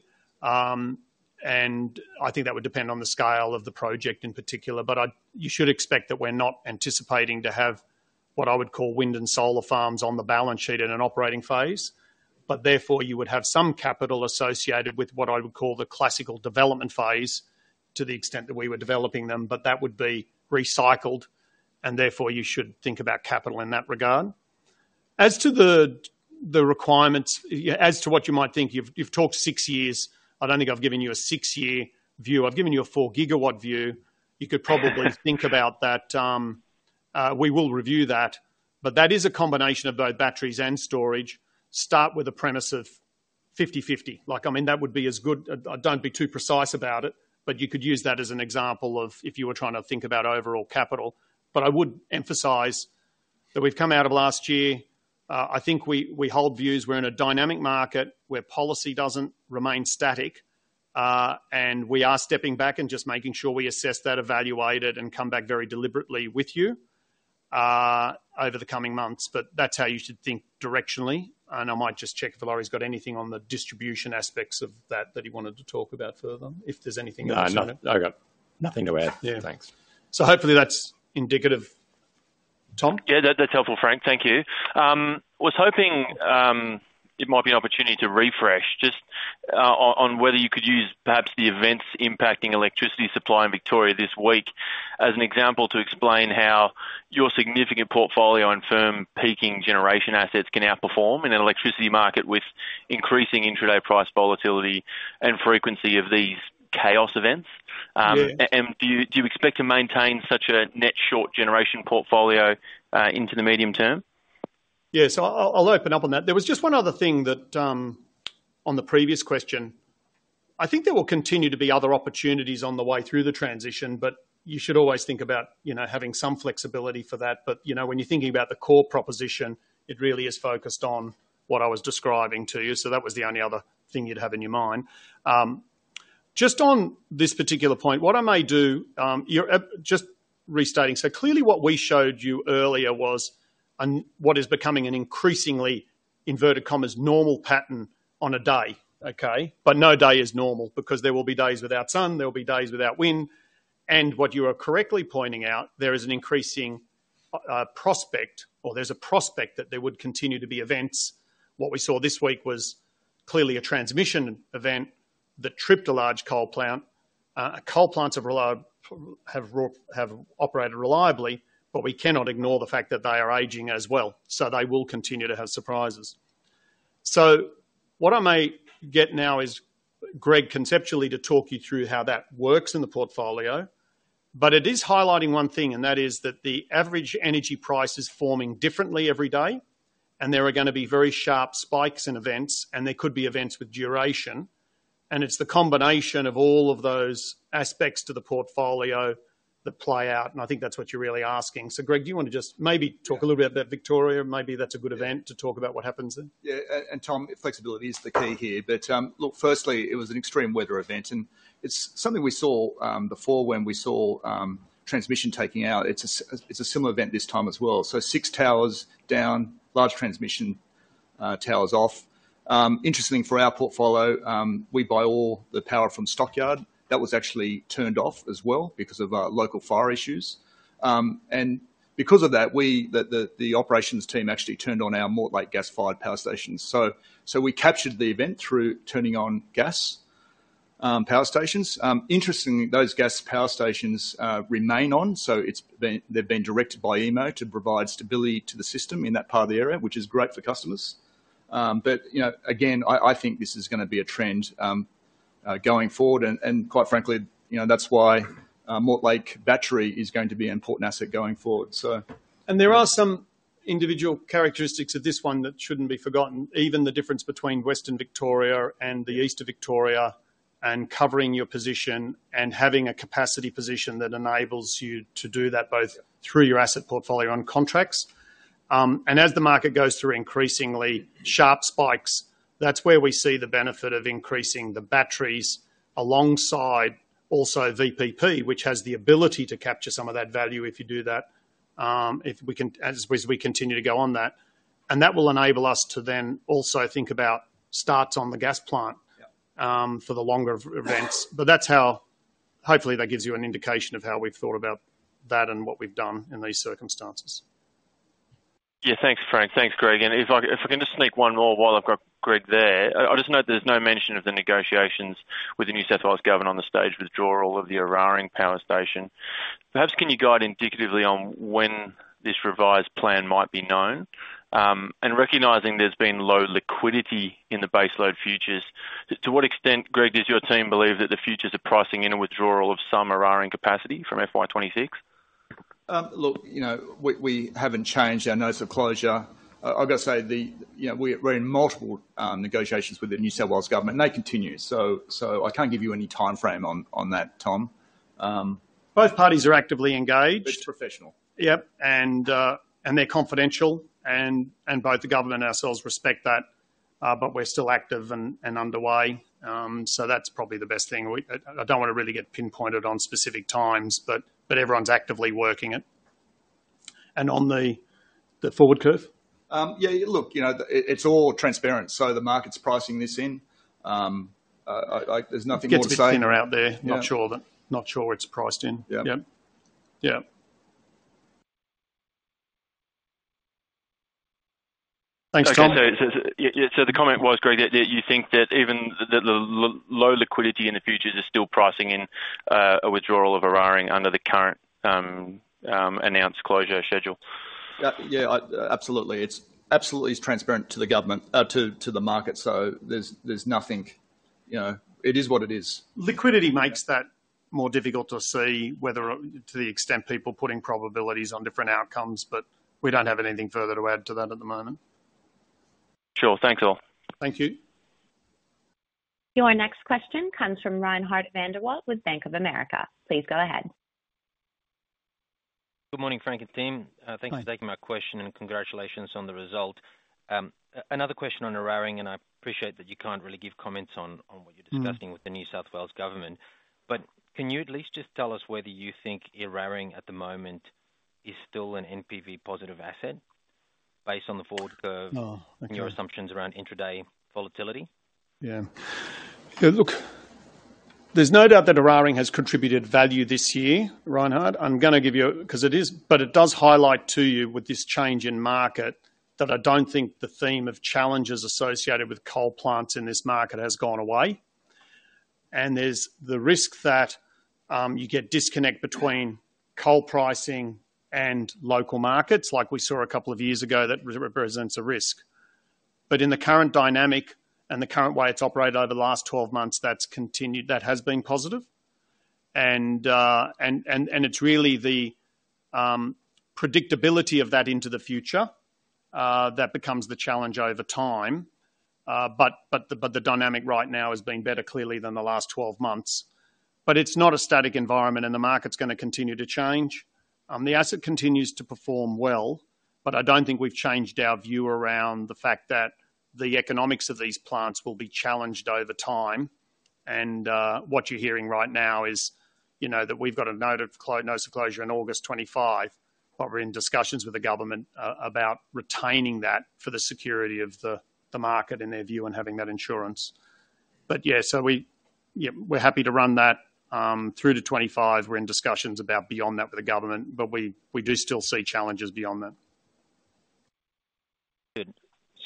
And I think that would depend on the scale of the project in particular, but you should expect that we're not anticipating to have what I would call wind and solar farms on the balance sheet in an operating phase. But therefore, you would have some capital associated with what I would call the classical development phase to the extent that we were developing them, but that would be recycled, and therefore, you should think about capital in that regard. As to the requirements, yeah, as to what you might think, you've talked 6 years. I don't think I've given you a six year view. I've given you a 4 GW view. You could probably think about that. We will review that, but that is a combination of both batteries and storage. Start with a premise of 50/50. Like, I mean, that would be as good. Don't be too precise about it, but you could use that as an example of if you were trying to think about overall capital. But I would emphasize that we've come out of last year. I think we hold views. We're in a dynamic market where policy doesn't remain static, and we are stepping back and just making sure we assess that, evaluate it, and come back very deliberately with you over the coming months. But that's how you should think directionally, and I might just check if Lawrie's got anything on the distribution aspects of that that he wanted to talk about further, if there's anything. No, I got nothing to add. Yeah. Thanks. Hopefully that's indicative, Tom? Yeah, that's helpful, Frank. Thank you. Was hoping it might be an opportunity to refresh just on whether you could use perhaps the events impacting electricity supply in Victoria this week as an example to explain how your significant portfolio on firm peaking generation assets can outperform in an electricity market with increasing intraday price volatility and frequency of these chaos events. Yeah. Do you expect to maintain such a net short generation portfolio into the medium term? Yes, I'll open up on that. There was just one other thing that, on the previous question, I think there will continue to be other opportunities on the way through the transition, but you should always think about, you know, having some flexibility for that. But, you know, when you're thinking about the core proposition, it really is focused on what I was describing to you. So that was the only other thing you'd have in your mind. Just on this particular point, what I may do, you're just restating. So clearly, what we showed you earlier was an, what is becoming an increasingly, inverted commas, "normal pattern" on a day, okay? But no day is normal because there will be days without sun, there will be days without wind. And what you are correctly pointing out, there is an increasing prospect, or there's a prospect that there would continue to be events. What we saw this week was clearly a transmission event that tripped a large coal plant. Coal plants have operated reliably, but we cannot ignore the fact that they are aging as well, so they will continue to have surprises. So what I may get now is Greg, conceptually, to talk you through how that works in the portfolio, but it is highlighting one thing, and that is that the average energy price is forming differently every day, and there are gonna be very sharp spikes and events, and there could be events with duration, and it's the combination of all of those aspects to the portfolio that play out, and I think that's what you're really asking. So, Greg, do you want to just maybe talk a little bit about Victoria? Maybe that's a good event to talk about what happens then. Yeah, Tom, flexibility is the key here. But, look, firstly, it was an extreme weather event, and it's something we saw before when we saw transmission taking out. It's a similar event this time as well. So six towers down, large transmission towers off. Interesting for our portfolio, we buy all the power from Stockyard. That was actually turned off as well because of local fire issues. And because of that, the operations team actually turned on our Mortlake gas-fired power station. So we captured the event through turning on gas power stations. Interestingly, those gas power stations remain on, so it's been-- they've been directed by AEMO to provide stability to the system in that part of the area, which is great for customers. But you know, again, I think this is gonna be a trend going forward, and quite frankly, you know, that's why Mortlake Battery is going to be an important asset going forward, so. There are some individual characteristics of this one that shouldn't be forgotten, even the difference between western Victoria and the east of Victoria, and covering your position, and having a capacity position that enables you to do that, both through your asset portfolio on contracts. And as the market goes through increasingly sharp spikes, that's where we see the benefit of increasing the batteries alongside also VPP, which has the ability to capture some of that value if you do that, if we can as we continue to go on that. That will enable us to then also think about starts on the gas plant for the longer events. But that's how... Hopefully, that gives you an indication of how we've thought about that and what we've done in these circumstances. Yeah. Thanks, Frank. Thanks, Greg, and if I, if I can just sneak one more while I've got Greg there. I just note there's no mention of the negotiations with the New South Wales Government on the stage withdrawal of the Eraring Power Station. Perhaps, can you guide indicatively on when this revised plan might be known? And recognizing there's been low liquidity in the baseload futures, to what extent, Greg, does your team believe that the futures are pricing in a withdrawal of some Eraring capacity from FY 2026? Look, you know, we, we haven't changed our notice of closure. I've got to say the, you know, we're, we're in multiple negotiations with the New South Wales Government, and they continue, so, so I can't give you any timeframe on, on that, Tom. Both parties are actively engaged. It's professional. Yep, and they're confidential, and both the government and ourselves respect that, but we're still active and underway. So that's probably the best thing. I don't want to really get pinpointed on specific times, but everyone's actively working it. And on the forward curve? Yeah, look, you know, it's all transparent, so the market's pricing this in. There's nothing more to say. It gets a bit thinner out there. Yeah. Not sure it's priced in. Yeah. Yep. Yeah. Thanks, Tom. Yeah, so the comment was, Greg, that you think that even the low liquidity in the futures is still pricing in a withdrawal of Eraring under the current announced closure schedule? Yeah, absolutely. It's absolutely is transparent to the government, to the market, so there's nothing, you know, it is what it is. Liquidity makes that more difficult to see whether or, to the extent people putting probabilities on different outcomes, but we don't have anything further to add to that at the moment. Sure. Thanks, all. Thank you. Your next question comes from Reinhardt van der Walt with Bank of America. Please go ahead. Good morning, Frank and team. Hi. Thanks for taking my question, and congratulations on the result. Another question on Eraring, and I appreciate that you can't really give comments on, on what you're discussing with the New South Wales Government. But can you at least just tell us whether you think Eraring, at the moment, is still an NPV positive asset based on the forward curve? Oh, okay. And your assumptions around intraday volatility? Yeah. Yeah, look, there's no doubt that Eraring has contributed value this year, Reinhard. I'm gonna give you... Because it is, but it does highlight to you, with this change in market, that I don't think the theme of challenges associated with coal plants in this market has gone away. And there's the risk that you get disconnect between coal pricing and local markets, like we saw a couple of years ago, that represents a risk. But in the current dynamic and the current way it's operated over the last 12 months, that's continued, that has been positive. And it's really the predictability of that into the future that becomes the challenge over time. But the dynamic right now has been better, clearly, than the last 12 months. But it's not a static environment, and the market's gonna continue to change. The asset continues to perform well, but I don't think we've changed our view around the fact that the economics of these plants will be challenged over time. And, what you're hearing right now is, you know, that we've got a notice of closure in August 2025, but we're in discussions with the government about retaining that for the security of the market, in their view, and having that insurance. But yeah, so we, yeah, we're happy to run that through to 2025. We're in discussions about beyond that with the government, but we do still see challenges beyond that. Good.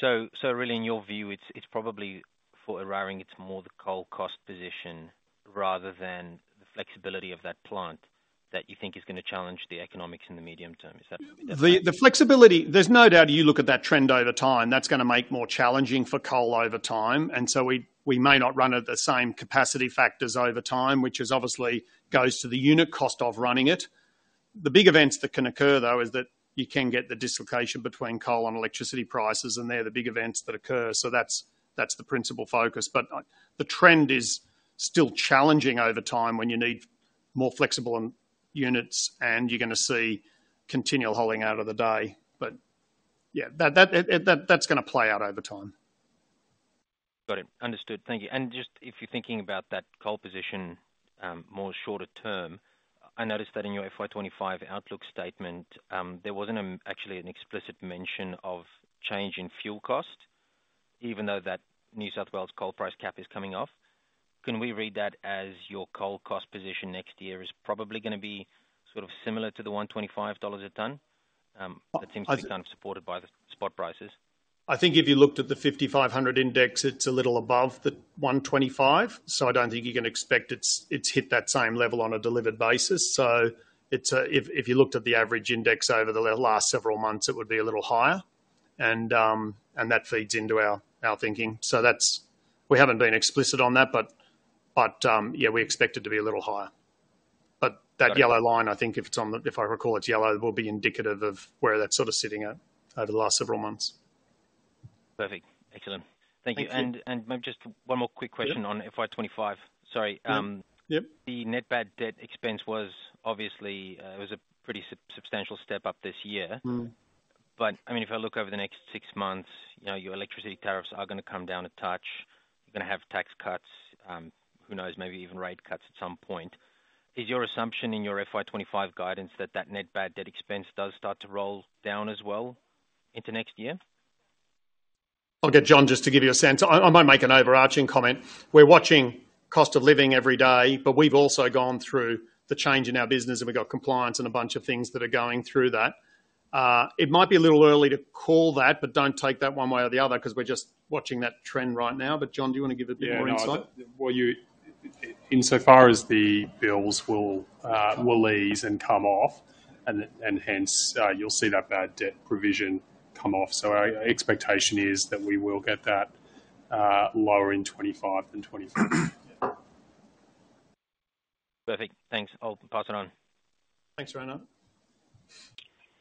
So really, in your view, it's probably for Eraring, it's more the coal cost position rather than the flexibility of that plant that you think is gonna challenge the economics in the medium term. Is that- The flexibility, there's no doubt you look at that trend over time, that's gonna make more challenging for coal over time. And so we may not run at the same capacity factors over time, which is obviously goes to the unit cost of running it. The big events that can occur, though, is that you can get the dislocation between coal and electricity prices, and they're the big events that occur, so that's the principal focus. But the trend is still challenging over time when you need more flexible units, and you're gonna see continual hauling out of the day. But yeah, that that's gonna play out over time. Got it. Understood. Thank you. And just if you're thinking about that coal position, more shorter term, I noticed that in your FY 2025 outlook statement, there wasn't, actually an explicit mention of change in fuel cost, even though that New South Wales coal price cap is coming off. Can we read that as your coal cost position next year is probably gonna be sort of similar to the 125 dollars a ton? That seems to be kind of supported by the spot prices. I think if you looked at the 5,500 index, it's a little above the 125, so I don't think you can expect it's hit that same level on a delivered basis. So it's if you looked at the average index over the last several months, it would be a little higher. And and that feeds into our thinking. So that's. We haven't been explicit on that, but yeah, we expect it to be a little higher. But that yellow line, I think, if it's on the if I recall, it's yellow, will be indicative of where that's sort of sitting at over the last several months. Perfect. Excellent. Thank you. Thanks. And maybe just one more quick question on FY 2025. Sorry. Yep. The net bad debt expense was obviously, it was a pretty substantial step up this year. But, I mean, if I look over the next six months, you know, your electricity tariffs are gonna come down a touch. You're gonna have tax cuts, who knows, maybe even rate cuts at some point. Is your assumption in your FY 2025 guidance that that net bad debt expense does start to roll down as well into next year? I'll get Jon just to give you a sense. I might make an overarching comment. We're watching cost of living every day, but we've also gone through the change in our business, and we've got compliance and a bunch of things that are going through that. It might be a little early to call that, but don't take that one way or the other because we're just watching that trend right now. But, Jon, do you want to give a bit more insight? Yeah, well, you insofar as the bills will ease and come off, and hence you'll see that bad debt provision come off. So our expectation is that we will get that lower in 2025 than 2024. Perfect. Thanks. I'll pass it on. Thanks, Reinhardt.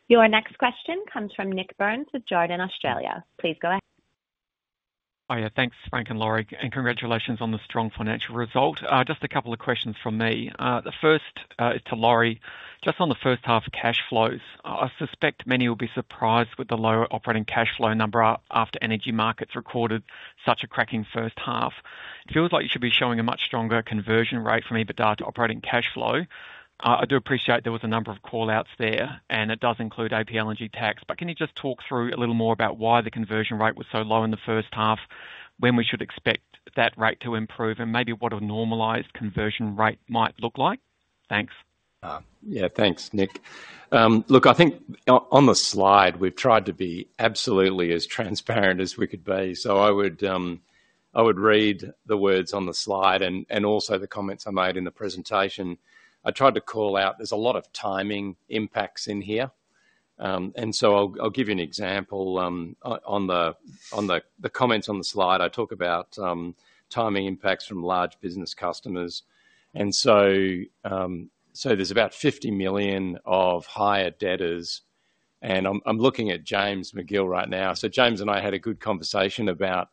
Your next question comes from Nik Burns with Jarden Australia. Please go ahead. Oh, yeah, thanks, Frank and Lawrie, and congratulations on the strong financial result. Just a couple of questions from me. The first is to Lawrie. Just on the first half cash flows, I suspect many will be surprised with the lower operating cash flow number after Energy Markets recorded such a cracking first half. It feels like you should be showing a much stronger conversion rate from EBITDA to operating cash flow. I do appreciate there was a number of call-outs there, and it does include APLNG tax. But can you just talk through a little more about why the conversion rate was so low in the first half, when we should expect that rate to improve, and maybe what a normalized conversion rate might look like? Thanks. Yeah, thanks, Nik. Look, I think on the slide, we've tried to be absolutely as transparent as we could be. So I would read the words on the slide and also the comments I made in the presentation. I tried to call out there's a lot of timing impacts in here. And so I'll give you an example. On the comments on the slide, I talk about timing impacts from large business customers. And so, so there's about 50 million of higher debtors, and I'm looking at James Magill right now. So James and I had a good conversation about,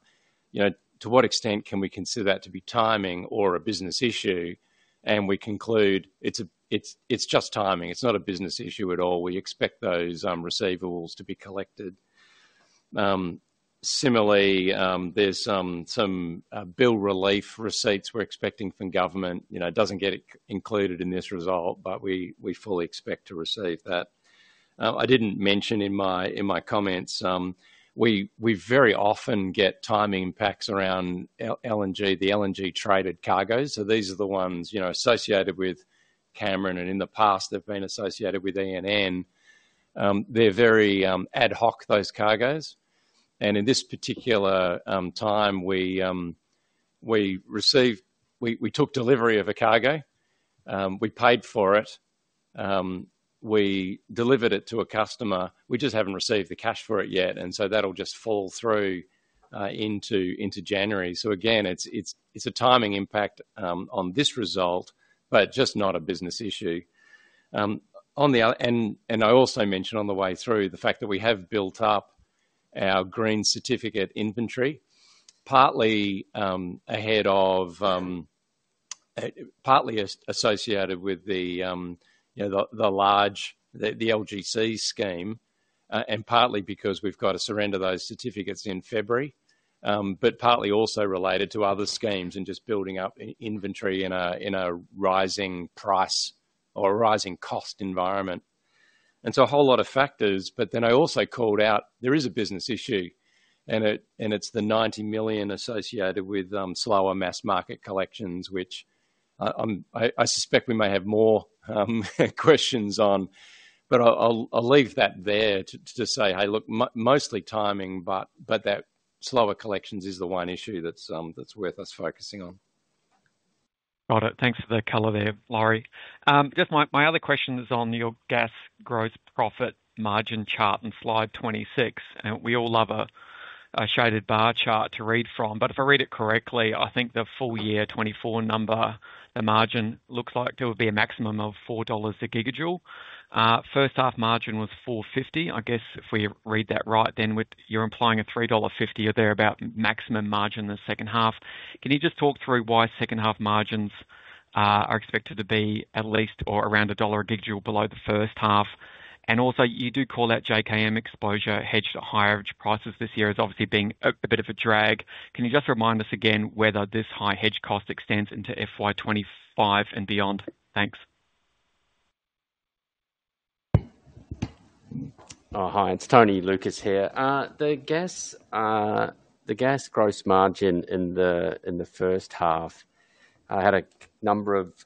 you know, to what extent can we consider that to be timing or a business issue, and we conclude it's just timing. It's not a business issue at all. We expect those receivables to be collected. Similarly, there's some bill relief receipts we're expecting from government. You know, it doesn't get included in this result, but we fully expect to receive that. I didn't mention in my comments, we very often get timing impacts around LNG, the LNG-traded cargos. So these are the ones, you know, associated with Cameron LNG, and in the past, they've been associated with ENN. They're very ad hoc, those cargos, and in this particular time, we received. We took delivery of a cargo, we paid for it, we delivered it to a customer. We just haven't received the cash for it yet, and so that'll just fall through into January. So again, it's a timing impact on this result, but just not a business issue. On the other hand, I also mentioned on the way through the fact that we have built up our green certificate inventory, partly ahead of, partly associated with, you know, the large LGC scheme, and partly because we've got to surrender those certificates in February, but partly also related to other schemes and just building up inventory in a rising price or a rising cost environment. And so a whole lot of factors, but then I also called out there is a business issue, and it's the 90 million associated with slower mass market collections, which I suspect we may have more questions on. But I'll leave that there to just say, "Hey, look, mostly timing," but that slower collections is the one issue that's worth us focusing on. Got it. Thanks for the color there, Lawrie. Just my, my other question is on your gas gross profit margin chart on slide 26, and we all love a shaded bar chart to read from. But if I read it correctly, I think the full year 2024 number, the margin looks like there will be a maximum of 4 dollars a gigajoule. First half margin was 4.50. I guess if we read that right, then you're implying a 3.50 dollar or thereabout maximum margin in the second half. Can you just talk through why second half margins are expected to be at least or around a AUD 1 a gigajoule below the first half. And also, you do call out JKM exposure hedged at higher average prices this year as obviously being a bit of a drag. Can you just remind us again whether this high hedge cost extends into FY 2025 and beyond? Thanks. Hi, it's Tony Lucas here. The gas gross margin in the first half had a number of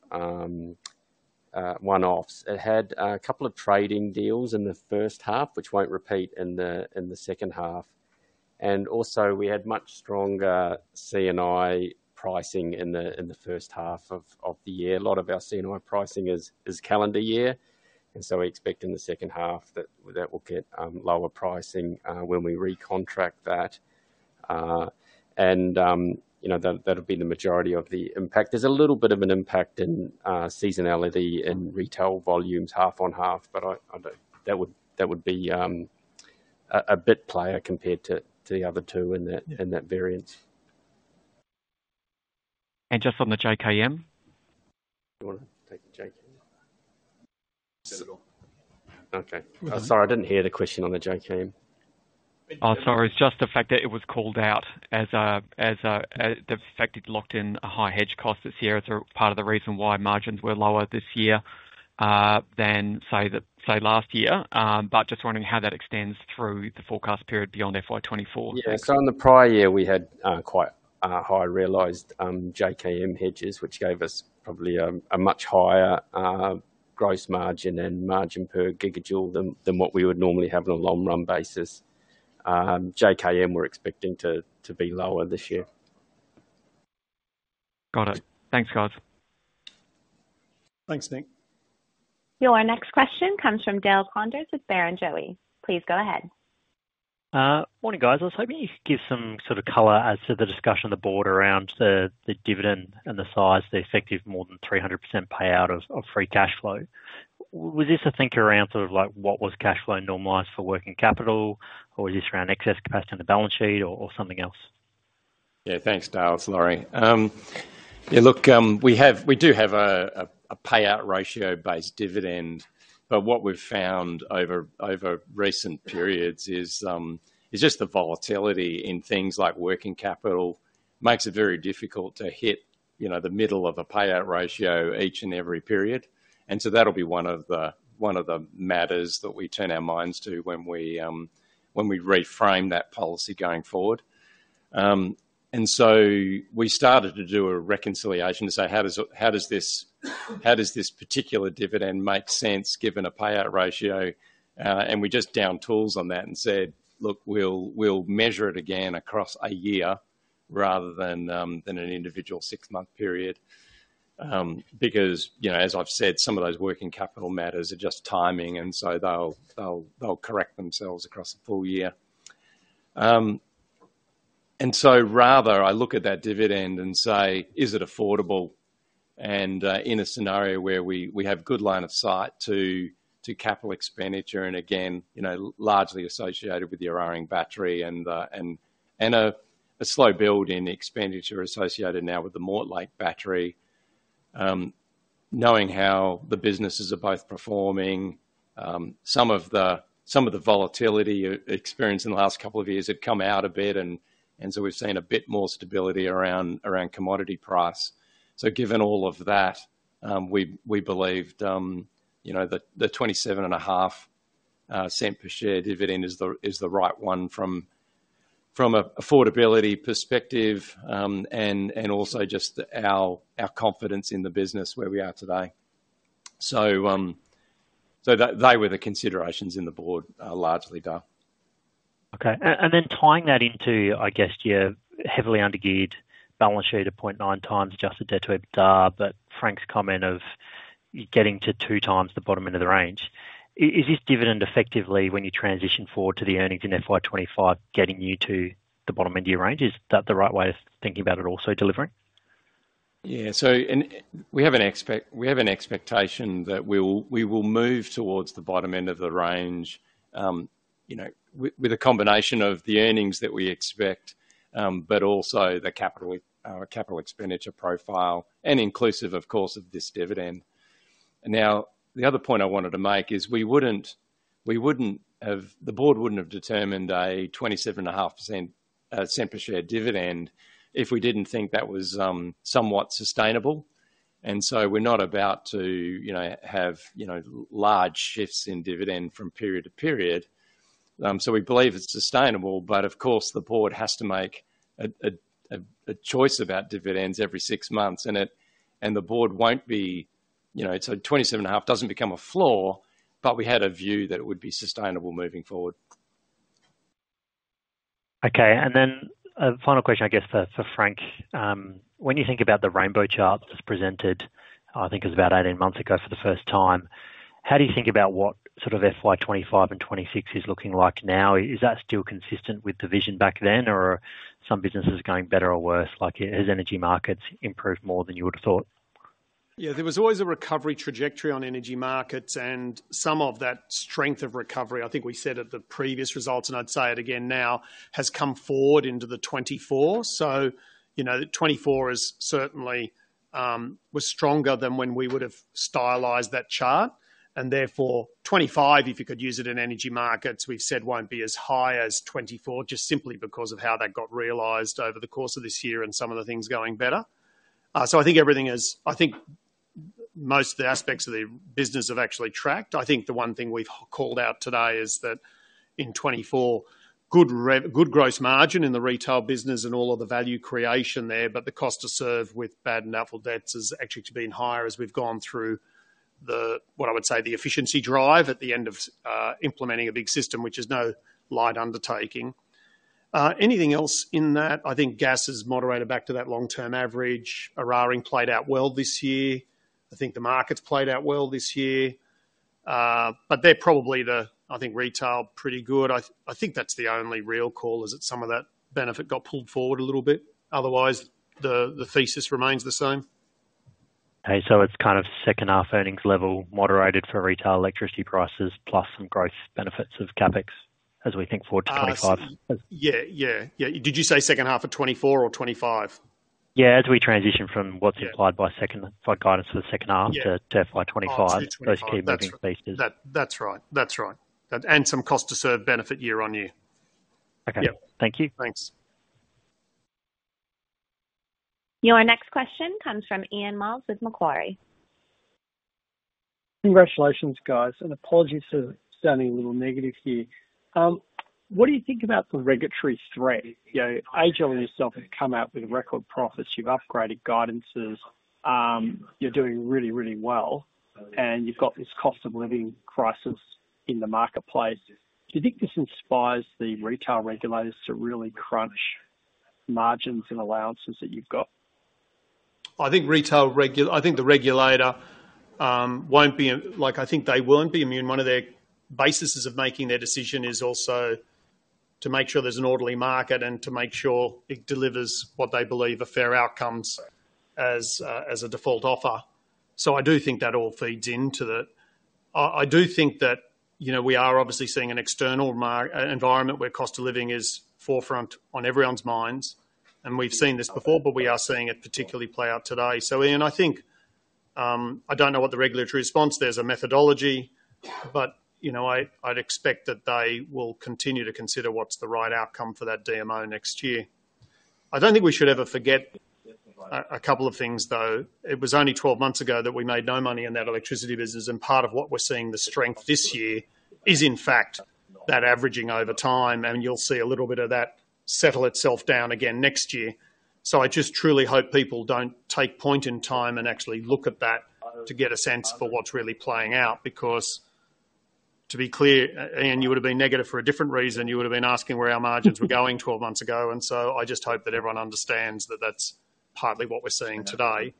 one-offs. It had a couple of trading deals in the first half, which won't repeat in the second half. And also, we had much stronger C&I pricing in the first half of the year. A lot of our C&I pricing is calendar year, and so we expect in the second half that that will get lower pricing when we recontract that. And you know, that'll be the majority of the impact. There's a little bit of an impact in seasonality in retail volumes, half on half, but I do that would be a bit player compared to the other two in that variance. Just on the JKM? You want to take the JKM? Okay. Sorry, I didn't hear the question on the JKM. Oh, sorry. It's just the fact that it was called out as the fact it locked in a high hedge cost this year. It's a part of the reason why margins were lower this year than, say, last year. But just wondering how that extends through the forecast period beyond FY 2024. Yeah. So in the prior year, we had quite high realized JKM hedges, which gave us probably a much higher gross margin and margin per gigajoule than what we would normally have on a long-run basis. JKM, we're expecting to be lower this year. Got it. Thanks, guys. Thanks, Nik. Your next question comes from Dale Koenders with Barrenjoey. Please go ahead. Morning, guys. I was hoping you could give some sort of color as to the discussion on the board around the dividend and the size, the effective more than 300% payout of free cash flow. Was this a thing around, sort of, like, what was cash flow normalized for working capital, or is this around excess capacity on the balance sheet or something else? Yeah, thanks, Dale. It's Lawrie. Yeah, look, we have, we do have a payout ratio-based dividend, but what we've found over recent periods is just the volatility in things like working capital makes it very difficult to hit, you know, the middle of a payout ratio each and every period. And so that'll be one of the matters that we turn our minds to when we reframe that policy going forward. And so we started to do a reconciliation to say, "How does it, how does this, how does this particular dividend make sense given a payout ratio?" And we just down tools on that and said, "Look, we'll, we'll measure it again across a year rather than than an individual six-month period." Because, you know, as I've said, some of those working capital matters are just timing, and so they'll, they'll, they'll correct themselves across the full year. And so rather, I look at that dividend and say, "Is it affordable?" And, in a scenario where we, we have good line of sight to, to capital expenditure, and again, you know, largely associated with the Eraring Battery and, and, and a, a slow build in expenditure associated now with the Mortlake Battery. Knowing how the businesses are both performing, some of the volatility experienced in the last couple of years have come out a bit, and so we've seen a bit more stability around commodity price. So given all of that, we believed, you know, that the 0.275 per share dividend is the right one from a affordability perspective, and also just our confidence in the business where we are today. So, that they were the considerations in the board largely, Dale. Okay. And then tying that into, I guess, your heavily undergeared balance sheet of 0.9x adjusted debt to EBITDA, but Frank's comment of getting to 2x the bottom end of the range. Is this dividend effectively when you transition forward to the earnings in FY 2025, getting you to the bottom end of your range? Is that the right way of thinking about it also delivering? Yeah, so we have an expectation that we will move towards the bottom end of the range, you know, with a combination of the earnings that we expect, but also the capital expenditure profile, and inclusive, of course, of this dividend. Now, the other point I wanted to make is we wouldn't have. The board wouldn't have determined a 0.275 per share dividend if we didn't think that was somewhat sustainable. And so we're not about to, you know, have, you know, large shifts in dividend from period to period. So we believe it's sustainable, but of course, the board has to make a choice about dividends every six months, and the board won't be, you know, so 27.5 doesn't become a floor, but we had a view that it would be sustainable moving forward. Okay, and then a final question, I guess, for Frank. When you think about the rainbow chart that was presented, I think it was about 18 months ago for the first time, how do you think about what sort of FY 2025 and 2026 is looking like now? Is that still consistent with the vision back then, or are some businesses going better or worse? Like, has Energy Markets improved more than you would have thought? Yeah, there was always a recovery trajectory on energy markets and some of that strength of recovery, I think we said at the previous results, and I'd say it again now, has come forward into the 2024. So, you know, 2024 is certainly was stronger than when we would have stylized that chart, and therefore, 2025, if you could use it in energy markets, we've said won't be as high as 2024, just simply because of how that got realized over the course of this year and some of the things going better. So I think everything is, I think most of the aspects of the business have actually tracked. I think the one thing we've called out today is that in 2024, good gross margin in the retail business and all of the value creation there, but the cost to serve with bad and doubtful debts is actually to being higher as we've gone through the, what I would say, the efficiency drive at the end of implementing a big system, which is no light undertaking. Anything else in that? I think gas has moderated back to that long-term average. Eraring played out well this year. I think the market's played out well this year, but they're probably the-- I think, retail, pretty good. I think that's the only real call, is that some of that benefit got pulled forward a little bit. Otherwise, the thesis remains the same. Okay, so it's kind of second half earnings level, moderated for retail electricity prices, plus some growth benefits of CapEx as we think forward to 2025? Yeah, yeah. Yeah, did you say second half of 2024 or 2025? Yeah, as we transition from what's implied by second, by guidance for the second half. Yeah To FY 2025, those key moving pieces. That, that's right. That's right. And some cost to serve benefit year on year. Okay. Yeah. Thank you. Thanks. Your next question comes from Ian Myles with Macquarie. Congratulations, guys, and apologies for sounding a little negative here. What do you think about the regulatory threat? You know, AGL and yourself have come out with record profits, you've upgraded guidances, you're doing really, really well, and you've got this cost of living crisis in the marketplace. Do you think this inspires the retail regulators to really crunch margins and allowances that you've got? I think the regulator won't be. I think they won't be immune. One of their bases of making their decision is also to make sure there's an orderly market and to make sure it delivers what they believe are fair outcomes as a default offer. So I do think that all feeds into it. I do think that, you know, we are obviously seeing an external environment where cost of living is forefront on everyone's minds, and we've seen this before, but we are seeing it particularly play out today. So, Ian, I think I don't know what the regulatory response is. There's a methodology, but, you know, I, I'd expect that they will continue to consider what's the right outcome for that DMO next year. I don't think we should ever forget a couple of things, though. It was only 12 months ago that we made no money in that electricity business, and part of what we're seeing the strength this year is, in fact, that averaging over time, and you'll see a little bit of that settle itself down again next year. So I just truly hope people don't take point in time and actually look at that to get a sense for what's really playing out. Because to be clear, I-Ian, you would have been negative for a different reason, you would have been asking where our margins were going 12 months ago, and so I just hope that everyone understands that that's partly what we're seeing today.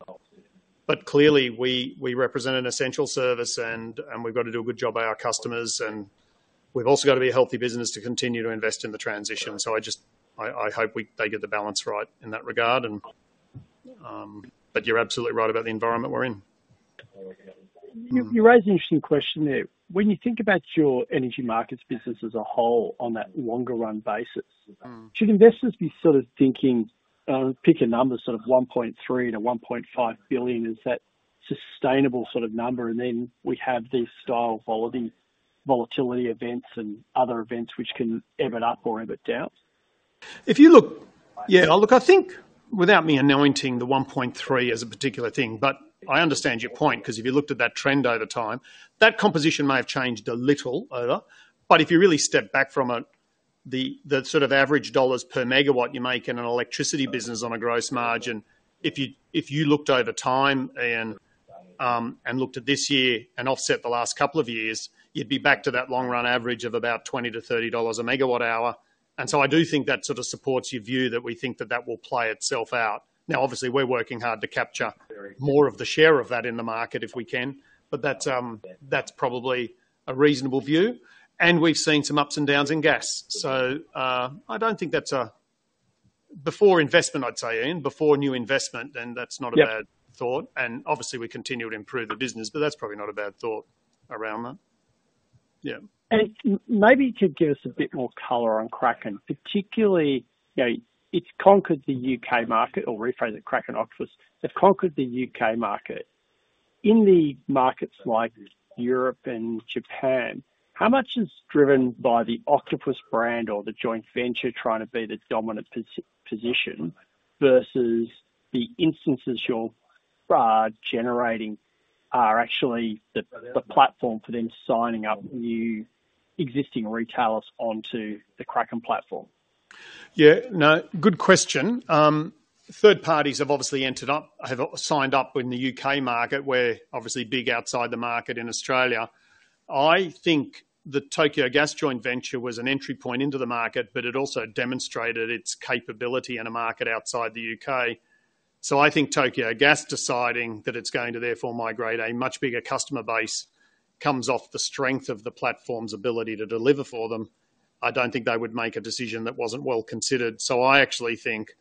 But clearly, we, we represent an essential service, and, and we've got to do a good job by our customers, and we've also got to be a healthy business to continue to invest in the transition. So I just hope they get the balance right in that regard, but you're absolutely right about the environment we're in. You raise an interesting question there. When you think about your energy markets business as a whole on that longer-run basis, should investors be sort of thinking, pick a number, sort of 1.3 billion-1.5 billion, is that sustainable sort of number, and then we have these volatility events and other events which can ebb it up or ebb it down? If you look, yeah, look, I think without me anointing the 1.3 as a particular thing, but I understand your point, 'cause if you looked at that trend over time, that composition may have changed a little over. But if you really step back from it, the sort of average AUD per MWh you make in an electricity business on a gross margin, if you looked over time and looked at this year and offset the last couple of years, you'd be back to that long-run average of about 20-30 dollars/MWh. And so I do think that sort of supports your view that we think that that will play itself out. Now, obviously, we're working hard to capture more of the share of that in the market, if we can, but that's probably a reasonable view. We've seen some ups and downs in gas, so I don't think that's before investment. I'd say, Ian, before new investment, then that's not a bad- Yeah. Thought, and obviously, we continue to improve the business, but that's probably not a bad thought around that. Yeah. Maybe you could give us a bit more color on Kraken, particularly, you know, it's conquered the U.K. market, or rephrase it, Kraken Octopus, they've conquered the U.K. market. In the markets like Europe and Japan, how much is driven by the Octopus brand or the joint venture trying to be the dominant position versus the instances you're generating are actually the platform for them signing up new existing retailers onto the Kraken platform? Yeah, no, good question. Third parties have obviously signed up in the U.K. market, we're obviously big outside the market in Australia. I think the Tokyo Gas joint venture was an entry point into the market, but it also demonstrated its capability in a market outside the U.K.. So I think Tokyo Gas deciding that it's going to therefore migrate a much bigger customer base comes off the strength of the platform's ability to deliver for them, I don't think they would make a decision that wasn't well considered. So I actually think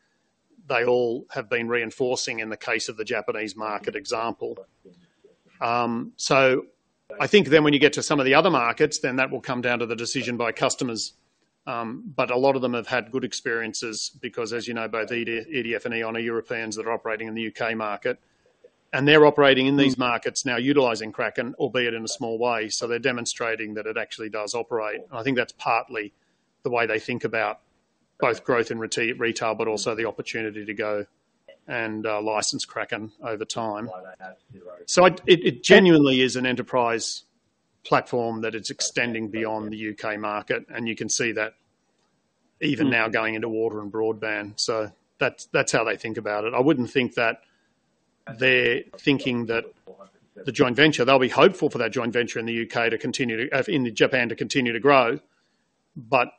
they all have been reinforcing in the case of the Japanese market example. So I think then when you get to some of the other markets, then that will come down to the decision by customers. But a lot of them have had good experiences because, as you know, both EDF and E.ON are Europeans that are operating in the U.K. market, and they're operating in these markets now utilizing Kraken, albeit in a small way, so they're demonstrating that it actually does operate. I think that's partly the way they think about both growth in retail, but also the opportunity to go and license Kraken over time. So it genuinely is an enterprise platform that it's extending beyond the U.K. market, and you can see that even now going into water and broadband. So that's how they think about it. I wouldn't think that they're thinking that the joint venture they'll be hopeful for that joint venture in the U.K. to continue to in Japan, to continue to grow, but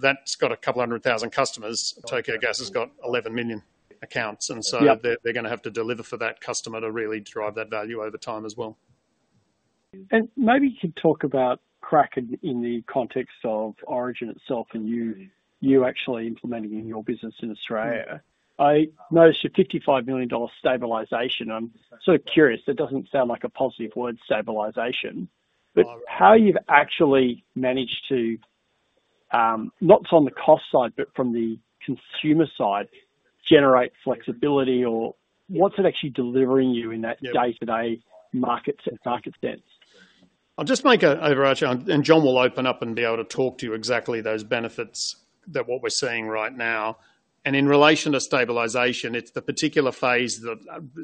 that's got 200,000 customers. Tokyo Gas has got 11 million accounts, and so- Yep. They're gonna have to deliver for that customer to really drive that value over time as well. Maybe you could talk about Kraken in the context of Origin itself and you actually implementing in your business in Australia. I noticed your 55 million dollar stabilization. I'm so curious, that doesn't sound like a positive word, stabilization. But how you've actually managed to, not on the cost side, but from the consumer side, generate flexibility or what's it actually delivering you in that day-to-day market, market sense? I'll just make a overarching, and Jon will open up and be able to talk to you exactly those benefits that what we're seeing right now. And in relation to stabilization, it's the particular phase that,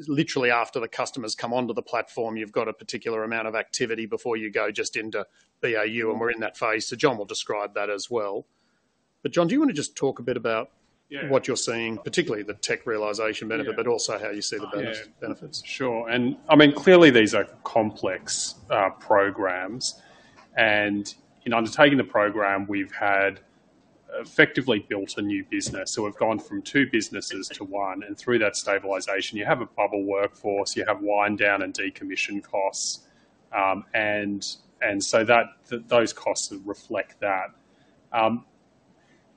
literally after the customers come onto the platform, you've got a particular amount of activity before you go just into BAU, and we're in that phase. So Jon will describe that as well. But, Jon, do you want to just talk a bit about- Yeah. what you're seeing, particularly the tech realization benefit, but also how you see the benefits? Sure. And I mean, clearly these are complex programs, and in undertaking the program, we've had effectively built a new business. So we've gone from two businesses to one, and through that stabilization, you have a bubble workforce, you have wind down and decommission costs, and so that those costs reflect that.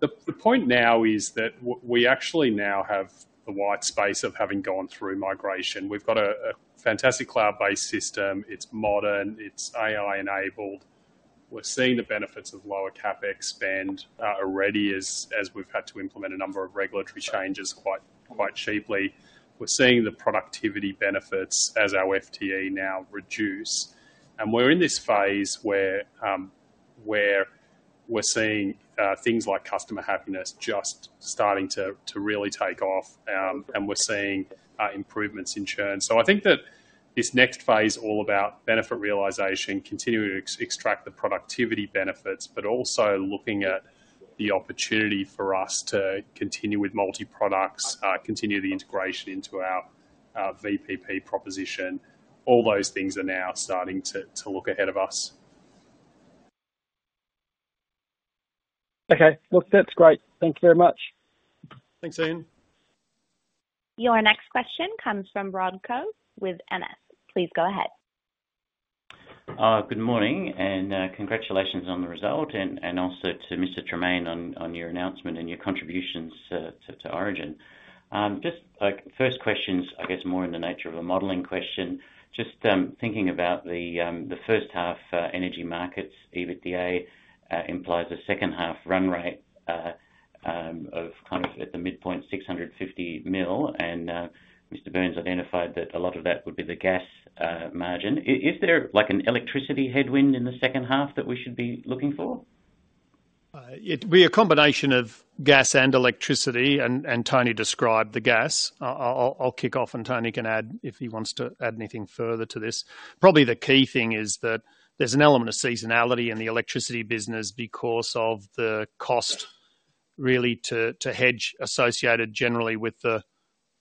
The point now is that we actually now have the wide space of having gone through migration. We've got a fantastic cloud-based system. It's modern, it's AI-enabled. We're seeing the benefits of lower CapEx spend already as we've had to implement a number of regulatory changes quite cheaply. We're seeing the productivity benefits as our FTE now reduce. And we're in this phase where we're seeing things like customer happiness just starting to really take off, and we're seeing improvements in churn. So I think that this next phase, all about benefit realization, continuing to extract the productivity benefits, but also looking at the opportunity for us to continue with multi-products, continue the integration into our VPP proposition. All those things are now starting to look ahead of us. Okay. Well, that's great. Thank you very much. Thanks, Ian. Your next question comes from Rob Koh with MS. Please go ahead. Good morning, and congratulations on the result, and also to Mr. Tremaine on your announcement and your contributions to Origin. Just first question is, I guess, more in the nature of a modeling question. Just thinking about the first half energy markets EBITDA implies a second-half run rate of kind of at the midpoint, 650 million, and Mr. Burns identified that a lot of that would be the gas margin. Is there like an electricity headwind in the second half that we should be looking for? It'd be a combination of gas and electricity, and Tony described the gas. I'll kick off, and Tony can add if he wants to add anything further to this. Probably the key thing is that there's an element of seasonality in the electricity business because of the cost really to hedge associated generally with the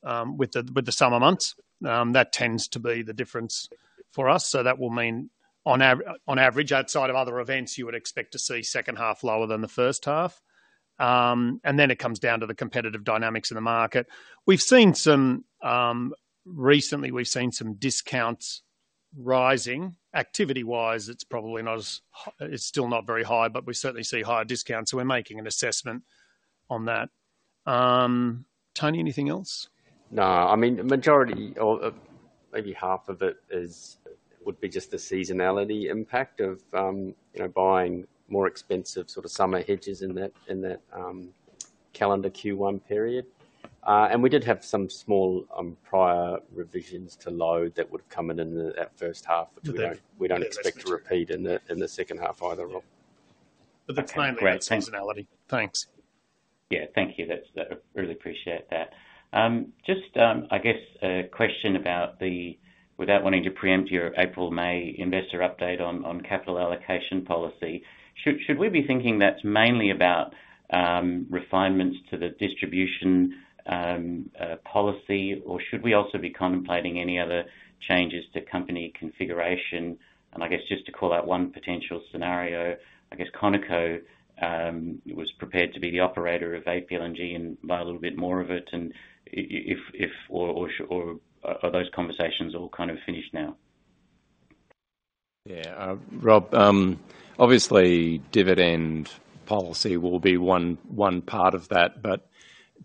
summer months. That tends to be the difference for us, so that will mean on average, outside of other events, you would expect to see second half lower than the first half. And then it comes down to the competitive dynamics in the market. We've seen some, recently we've seen some discounts rising. Activity-wise, it's probably not as high. It's still not very high, but we certainly see higher discounts, so we're making an assessment on that. Tony, anything else? No, I mean, the majority or, maybe half of it is, would be just the seasonality impact of, you know, buying more expensive sort of summer hedges in that, in that, calendar Q1 period. We did have some small, prior revisions to load that would have come in in the, that first half- Yeah. but we don't expect to repeat in the second half either, Rob. But that's kind of the seasonality. Thanks. Yeah. Thank you. That's really appreciate that. Just, I guess a question about the—without wanting to preempt your April-May investor update on capital allocation policy, should we be thinking that's mainly about refinements to the distribution policy, or should we also be contemplating any other changes to company configuration? And I guess just to call out one potential scenario, I guess Conoco was prepared to be the operator of APLNG and buy a little bit more of it, and if or are those conversations all kind of finished now? Yeah, Rob, obviously, dividend policy will be one part of that, but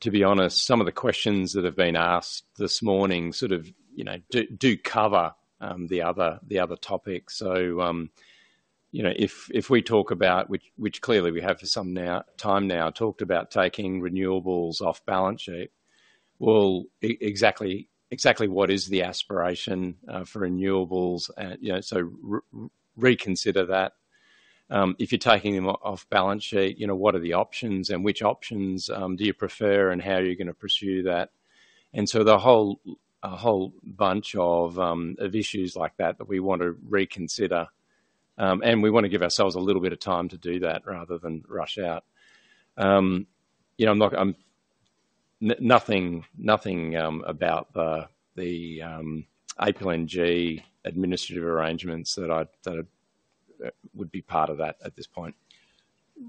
to be honest, some of the questions that have been asked this morning sort of, you know, do cover the other topics. So, you know, if we talk about which clearly we have for some time now talked about taking renewables off balance sheet, well, exactly what is the aspiration for renewables? And, you know, so reconsider that. If you're taking them off balance sheet, you know, what are the options and which options do you prefer, and how are you gonna pursue that? And so the whole bunch of issues like that that we want to reconsider, and we want to give ourselves a little bit of time to do that rather than rush out. You know, I know nothing about the APLNG administrative arrangements that would be part of that at this point.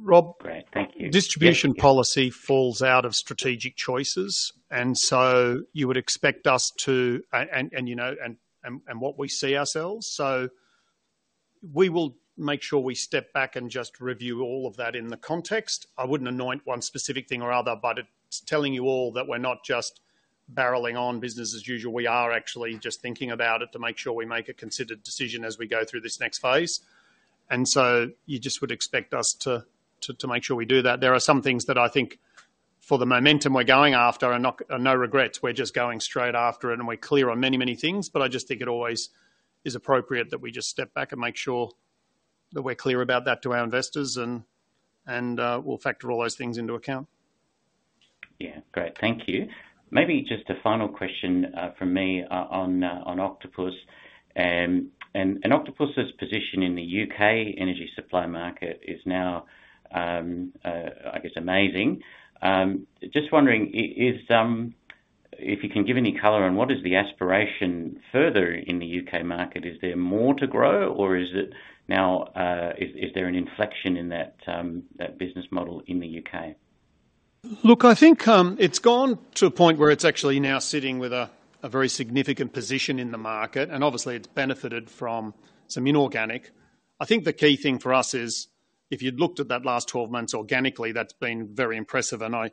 Rob. Great, thank you. Distribution policy falls out of strategic choices, and so you would expect us to... and, you know, what we see ourselves, so we will make sure we step back and just review all of that in the context. I wouldn't anoint one specific thing or other, but it's telling you all that we're not just barreling on business as usual. We are actually just thinking about it to make sure we make a considered decision as we go through this next phase, and so you just would expect us to make sure we do that. There are some things that I think for the momentum we're going after are no regrets. We're just going straight after it, and we're clear on many, many things, but I just think it always is appropriate that we just step back and make sure that we're clear about that to our investors and we'll factor all those things into account. Yeah, great. Thank you. Maybe just a final question from me on Octopus. Octopus' position in the U.K. energy supply market is now, I guess, amazing. Just wondering if you can give any color on what is the aspiration further in the U.K. market? Is there more to grow, or is it now, is there an inflection in that business model in the U.K.? Look, I think, it's gone to a point where it's actually now sitting with a very significant position in the market, and obviously, it's benefited from some inorganic. I think the key thing for us is if you'd looked at that last 12 months organically, that's been very impressive, and I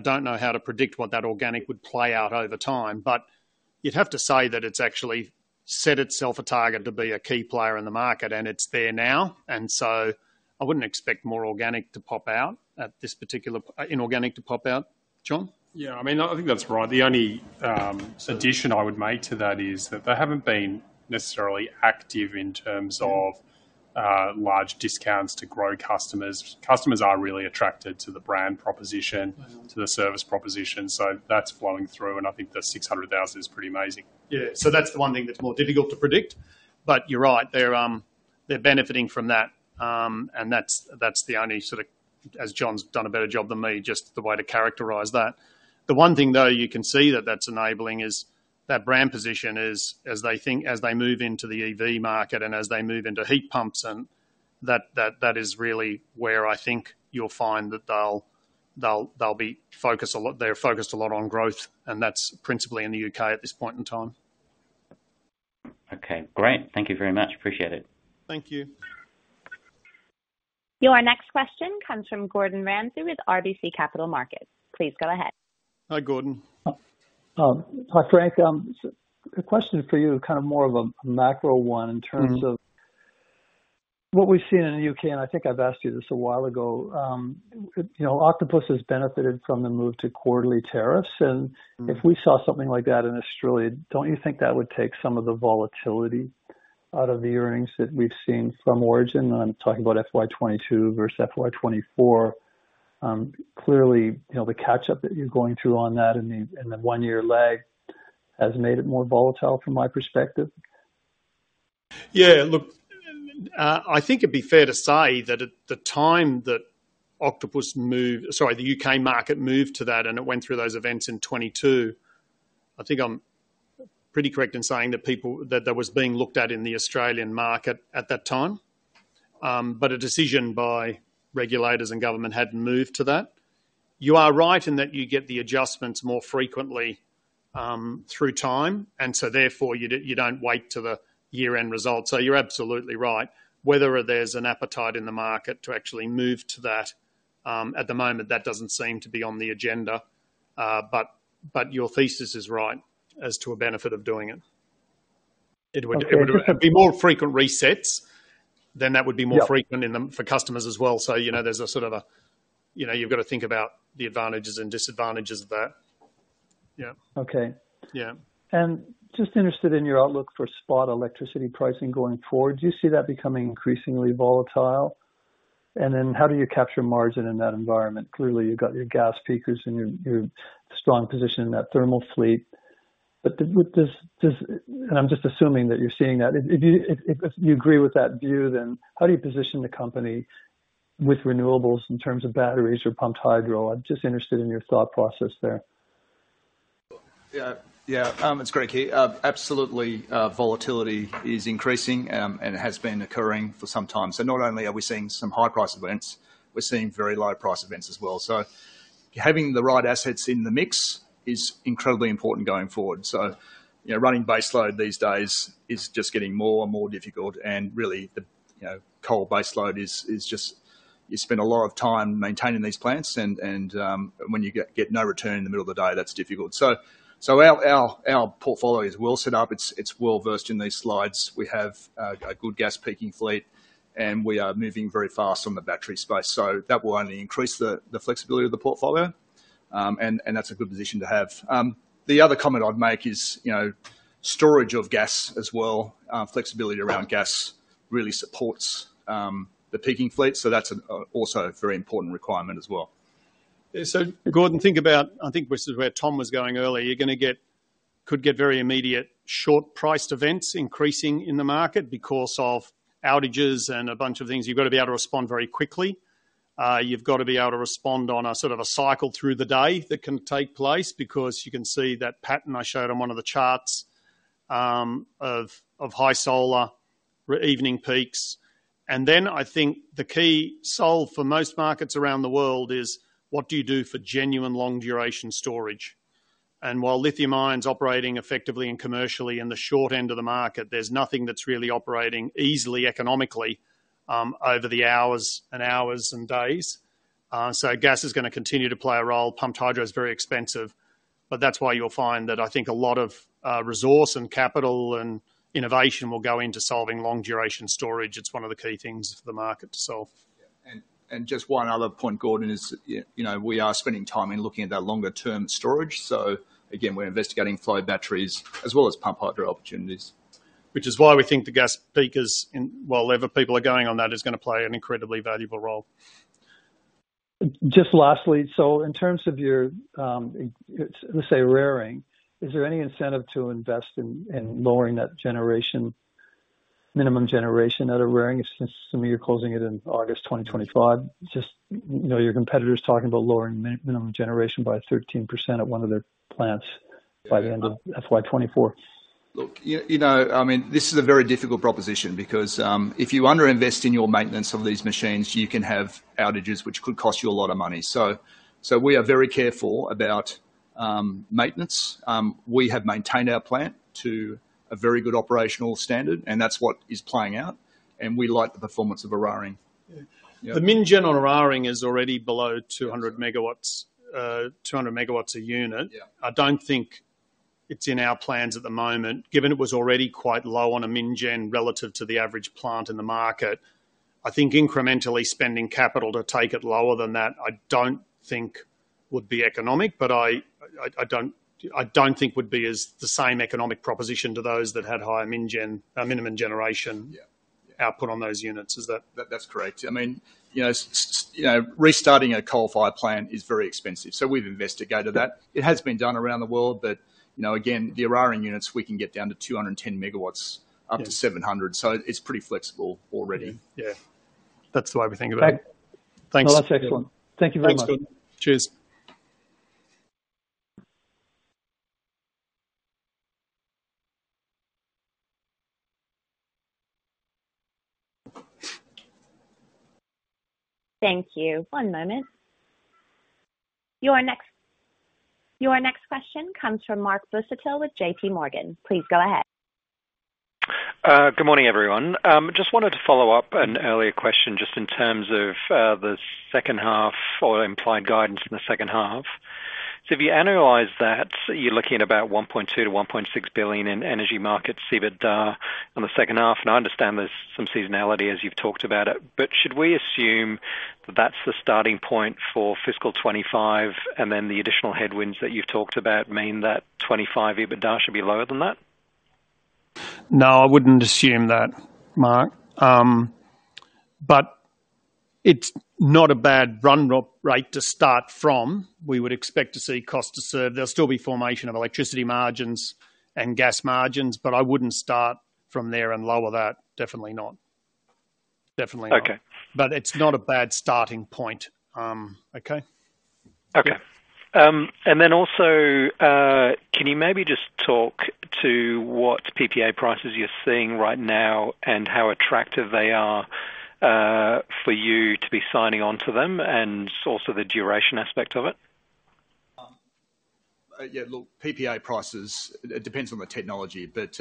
don't know how to predict what that organic would play out over time, but you'd have to say that it's actually set itself a target to be a key player in the market, and it's there now, and so I wouldn't expect more organic to pop out at this particular--inorganic to pop out. Jon? Yeah, I mean, I think that's right. The only addition I would make to that is that they haven't been necessarily active in terms of large discounts to grow customers. Customers are really attracted to the brand proposition to the service proposition, so that's flowing through, and I think the 600,000 is pretty amazing. Yeah. So that's the one thing that's more difficult to predict, but you're right, they're, they're benefiting from that, and that's, that's the only sort of as Jon's done a better job than me, just the way to characterize that. The one thing, though, you can see that that's enabling is that brand position is, as they think, as they move into the EV market and as they move into heat pumps and that, that, that is really where I think you'll find that they'll, they'll, they'll be focused a lot, they're focused a lot on growth, and that's principally in the U.K. at this point in time. Okay, great. Thank you very much. Appreciate it. Thank you. Your next question comes from Gordon Ramsay with RBC Capital Markets. Please go ahead. Hi, Gordon. Hi, Frank. A question for you, kind of more of a macro one in terms of what we've seen in the U.K., and I think I've asked you this a while ago. You know, Octopus has benefited from the move to quarterly tariffs, and- If we saw something like that in Australia, don't you think that would take some of the volatility out of the earnings that we've seen from Origin? I'm talking about FY 2022 versus FY 2024. Clearly, you know, the catch-up that you're going through on that and the one-year lag has made it more volatile from my perspective. Yeah, look, I think it'd be fair to say that at the time that Octopus moved, sorry, the U.K. market moved to that, and it went through those events in 2022. I think I'm pretty correct in saying that people, that that was being looked at in the Australian market at that time, but a decision by regulators and government hadn't moved to that. You are right in that you get the adjustments more frequently through time, and so therefore, you don't wait till the year-end result. So you're absolutely right. Whether there's an appetite in the market to actually move to that, at the moment, that doesn't seem to be on the agenda, but, but your thesis is right as to a benefit of doing it. It would, it would- Okay. be more frequent resets, then that would be more Yeah. frequent in them for customers as well. So, you know, there's a sort of a, you know, you've got to think about the advantages and disadvantages of that. Yeah. Okay. Yeah. Just interested in your outlook for spot electricity pricing going forward. Do you see that becoming increasingly volatile? And then how do you capture margin in that environment? Clearly, you've got your gas peakers and your strong position in that thermal fleet. But with this, and I'm just assuming that you're seeing that. If you agree with that view, then how do you position the company with renewables in terms of batteries or pumped hydro? I'm just interested in your thought process there. Yeah, yeah, it's Greg here. Absolutely, volatility is increasing, and it has been occurring for some time. So not only are we seeing some high price events, we're seeing very low price events as well. So having the right assets in the mix is incredibly important going forward. So, you know, running baseload these days is just getting more and more difficult, and really the, you know, coal baseload is just-- you spend a lot of time maintaining these plants and, when you get no return in the middle of the day, that's difficult. So our portfolio is well set up. It's well-versed in these slides. We have a good gas peaking fleet, and we are moving very fast on the battery space, so that will only increase the flexibility of the portfolio. And that's a good position to have. The other comment I'd make is, you know, storage of gas as well, flexibility around gas really supports the peaking fleet, so that's also a very important requirement as well. Yeah. So Gordon, think about I think this is where Tom was going earlier. You're gonna get, could get very immediate short-priced events increasing in the market because of outages and a bunch of things. You've got to be able to respond very quickly. You've got to be able to respond on a sort of a cycle through the day that can take place because you can see that pattern I showed on one of the charts of high solar evening peaks. And then I think the key solve for most markets around the world is: What do you do for genuine long-duration storage? And while lithium ion is operating effectively and commercially in the short end of the market, there's nothing that's really operating easily economically over the hours and hours and days. So gas is gonna continue to play a role. Pumped hydro is very expensive, but that's why you'll find that I think a lot of resource and capital and innovation will go into solving long-duration storage. It's one of the key things for the market to solve. Yeah. And just one other point, Gordon, is you know, we are spending time in looking at that longer-term storage. So again, we're investigating flow batteries as well as pumped hydro opportunities. Which is why we think the gas peakers in while other people are going on that, is gonna play an incredibly valuable role. Just lastly, so in terms of your, let's say, Eraring, is there any incentive to invest in, in lowering that generation, minimum generation at Eraring, since assuming you're closing it in August 2025? Just, you know, your competitors talking about lowering minimum generation by 13% at one of their plants by the end of FY 2024. Look, you know, I mean, this is a very difficult proposition because if you underinvest in your maintenance of these machines, you can have outages, which could cost you a lot of money. So we are very careful about maintenance. We have maintained our plant to a very good operational standard, and that's what is playing out, and we like the performance of Eraring. Yeah. The min gen on Eraring is already below 200 MW, 200 MW a unit. Yeah. I don't think it's in our plans at the moment, given it was already quite low on a min gen relative to the average plant in the market. I think incrementally spending capital to take it lower than that, I don't think would be economic, but I don't think would be as the same economic proposition to those that had higher min gen, minimum generation. Yeah. Output on those units. Is that- That, that's correct. I mean, you know, restarting a coal-fired plant is very expensive, so we've investigated that. It has been done around the world, but, you know, again, the Eraring units, we can get down to 210 megawatts, up to 700, so it's pretty flexible already. Yeah. That's the way we think about it. Thanks. Well, that's excellent. Thank you very much. Thanks, Cheers. Thank you. One moment. Your next, your next question comes from Mark Busuttil with JPMorgan. Please go ahead. Good morning, everyone. Just wanted to follow up an earlier question, just in terms of the second half or implied guidance in the second half. So if you annualize that, you're looking at about 1.2 billion-1.6 billion in Energy Markets EBITDA on the second half, and I understand there's some seasonality as you've talked about it. But should we assume that that's the starting point for fiscal 2025, and then the additional headwinds that you've talked about mean that 2025 EBITDA should be lower than that? No, I wouldn't assume that, Mark. But it's not a bad run rate to start from. We would expect to see cost to serve. There'll still be formation of electricity margins and gas margins, but I wouldn't start from there and lower that. Definitely not. Definitely not. Okay. But it's not a bad starting point, okay? Okay. And then also, can you maybe just talk to what PPA prices you're seeing right now and how attractive they are, for you to be signing on to them, and also the duration aspect of it? Yeah, look, PPA prices, it depends on the technology, but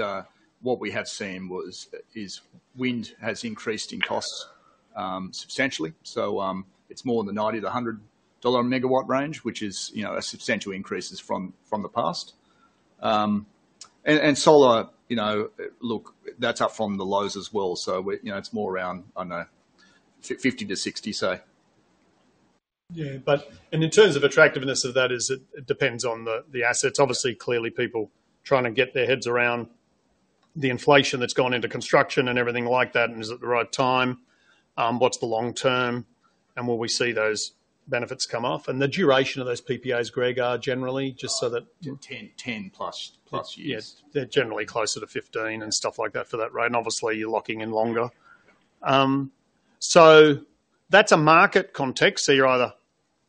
what we have seen was, is wind has increased in costs substantially. So, it's more in the 90-100 dollar megawatt range, which is, you know, a substantial increase from the past. And solar, you know, look, that's up from the lows as well, so you know, it's more around, I know, 50-60, say. Yeah, but, and in terms of attractiveness of that is it? It depends on the assets. Obviously, clearly, people trying to get their heads around the inflation that's gone into construction and everything like that, and is it the right time? What's the long term, and will we see those benefits come off? And the duration of those PPAs, Greg, are generally just so that- 10, 10+ years. Yeah, they're generally closer to 15 and stuff like that for that rate, and obviously, you're locking in longer so that's a market context. So you're either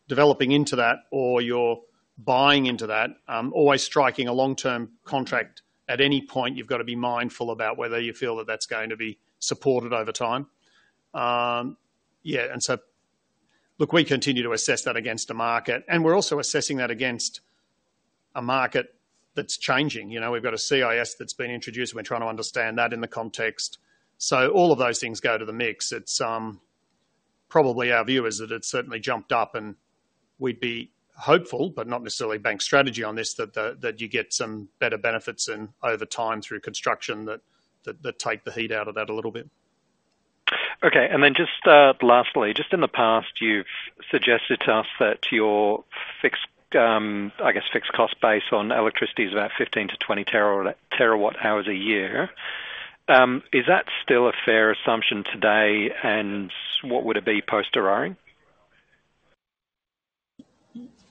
developing into that or you're buying into that, always striking a long-term contract. At any point, you've got to be mindful about whether you feel that that's going to be supported over time. Yeah, and so, look, we continue to assess that against the market, and we're also assessing that against a market that's changing. You know, we've got a CIS that's been introduced, and we're trying to understand that in the context. So all of those things go to the mix. It's probably our view is that it's certainly jumped up, and we'd be hopeful, but not necessarily bank strategy on this, that the take the heat out of that a little bit. Okay. And then just lastly, just in the past, you've suggested to us that your fixed, I guess, fixed cost base on electricity is about 15 TWh-20 TWh a year. Is that still a fair assumption today, and what would it be post-Eraring?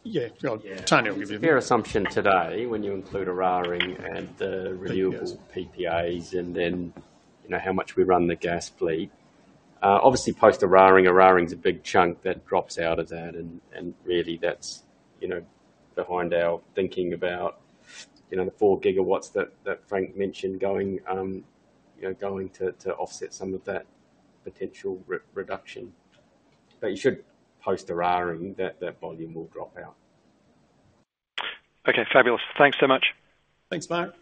Yeah. Go on. Tony will give you. It's a fair assumption today, when you include Eraring and the renewables PPAs, and then, you know, how much we run the gas fleet. Obviously, post-Eraring, Eraring is a big chunk that drops out of that, and really that's, you know, behind our thinking about, you know, the 4 GW that Frank mentioned going, you know, going to offset some of that potential reduction. But you should post-Eraring, that volume will drop out. Okay, fabulous. Thanks so much. Thanks, Mark.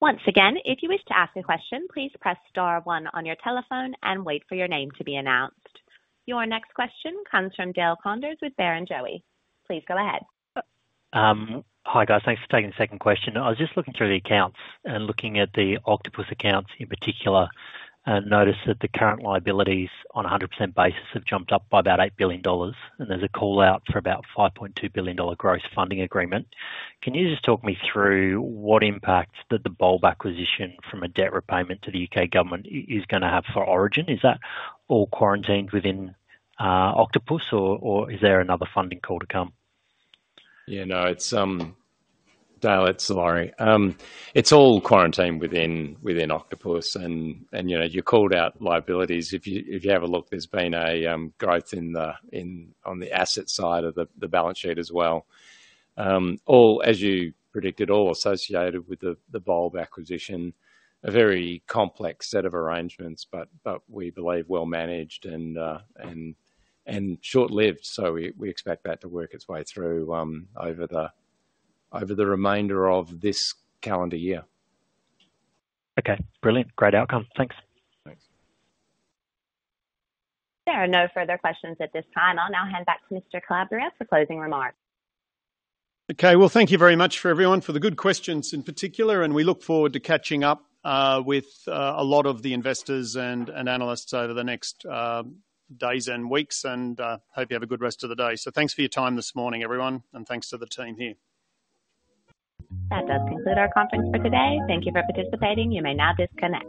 Once again, if you wish to ask a question, please press star one on your telephone and wait for your name to be announced. Your next question comes from Dale Koenders with Barrenjoey. Please go ahead. Hi, guys. Thanks for taking the second question. I was just looking through the accounts and looking at the Octopus accounts in particular, and noticed that the current liabilities on a 100% basis have jumped up by about $8 billion, and there's a call-out for about $5.2 billion gross funding agreement. Can you just talk me through what impact that the Bulb acquisition from a debt repayment to the U.K. government is gonna have for Origin? Is that all quarantined within Octopus, or is there another funding call to come? Yeah, no, it's Dale, it's Lawrie. It's all quarantined within Octopus, and, you know, you called out liabilities. If you have a look, there's been a growth on the asset side of the balance sheet as well. All, as you predicted, all associated with the Bulb acquisition, a very complex set of arrangements, but we believe well managed and short-lived. So we expect that to work its way through over the remainder of this calendar year. Okay, brilliant. Great outcome. Thanks. Thanks. There are no further questions at this time. I'll now hand back to Mr. Calabria for closing remarks. Okay, well, thank you very much for everyone, for the good questions in particular, and we look forward to catching up with a lot of the investors and analysts over the next days and weeks, and hope you have a good rest of the day. So thanks for your time this morning, everyone, and thanks to the team here. That does conclude our conference for today. Thank you for participating. You may now disconnect.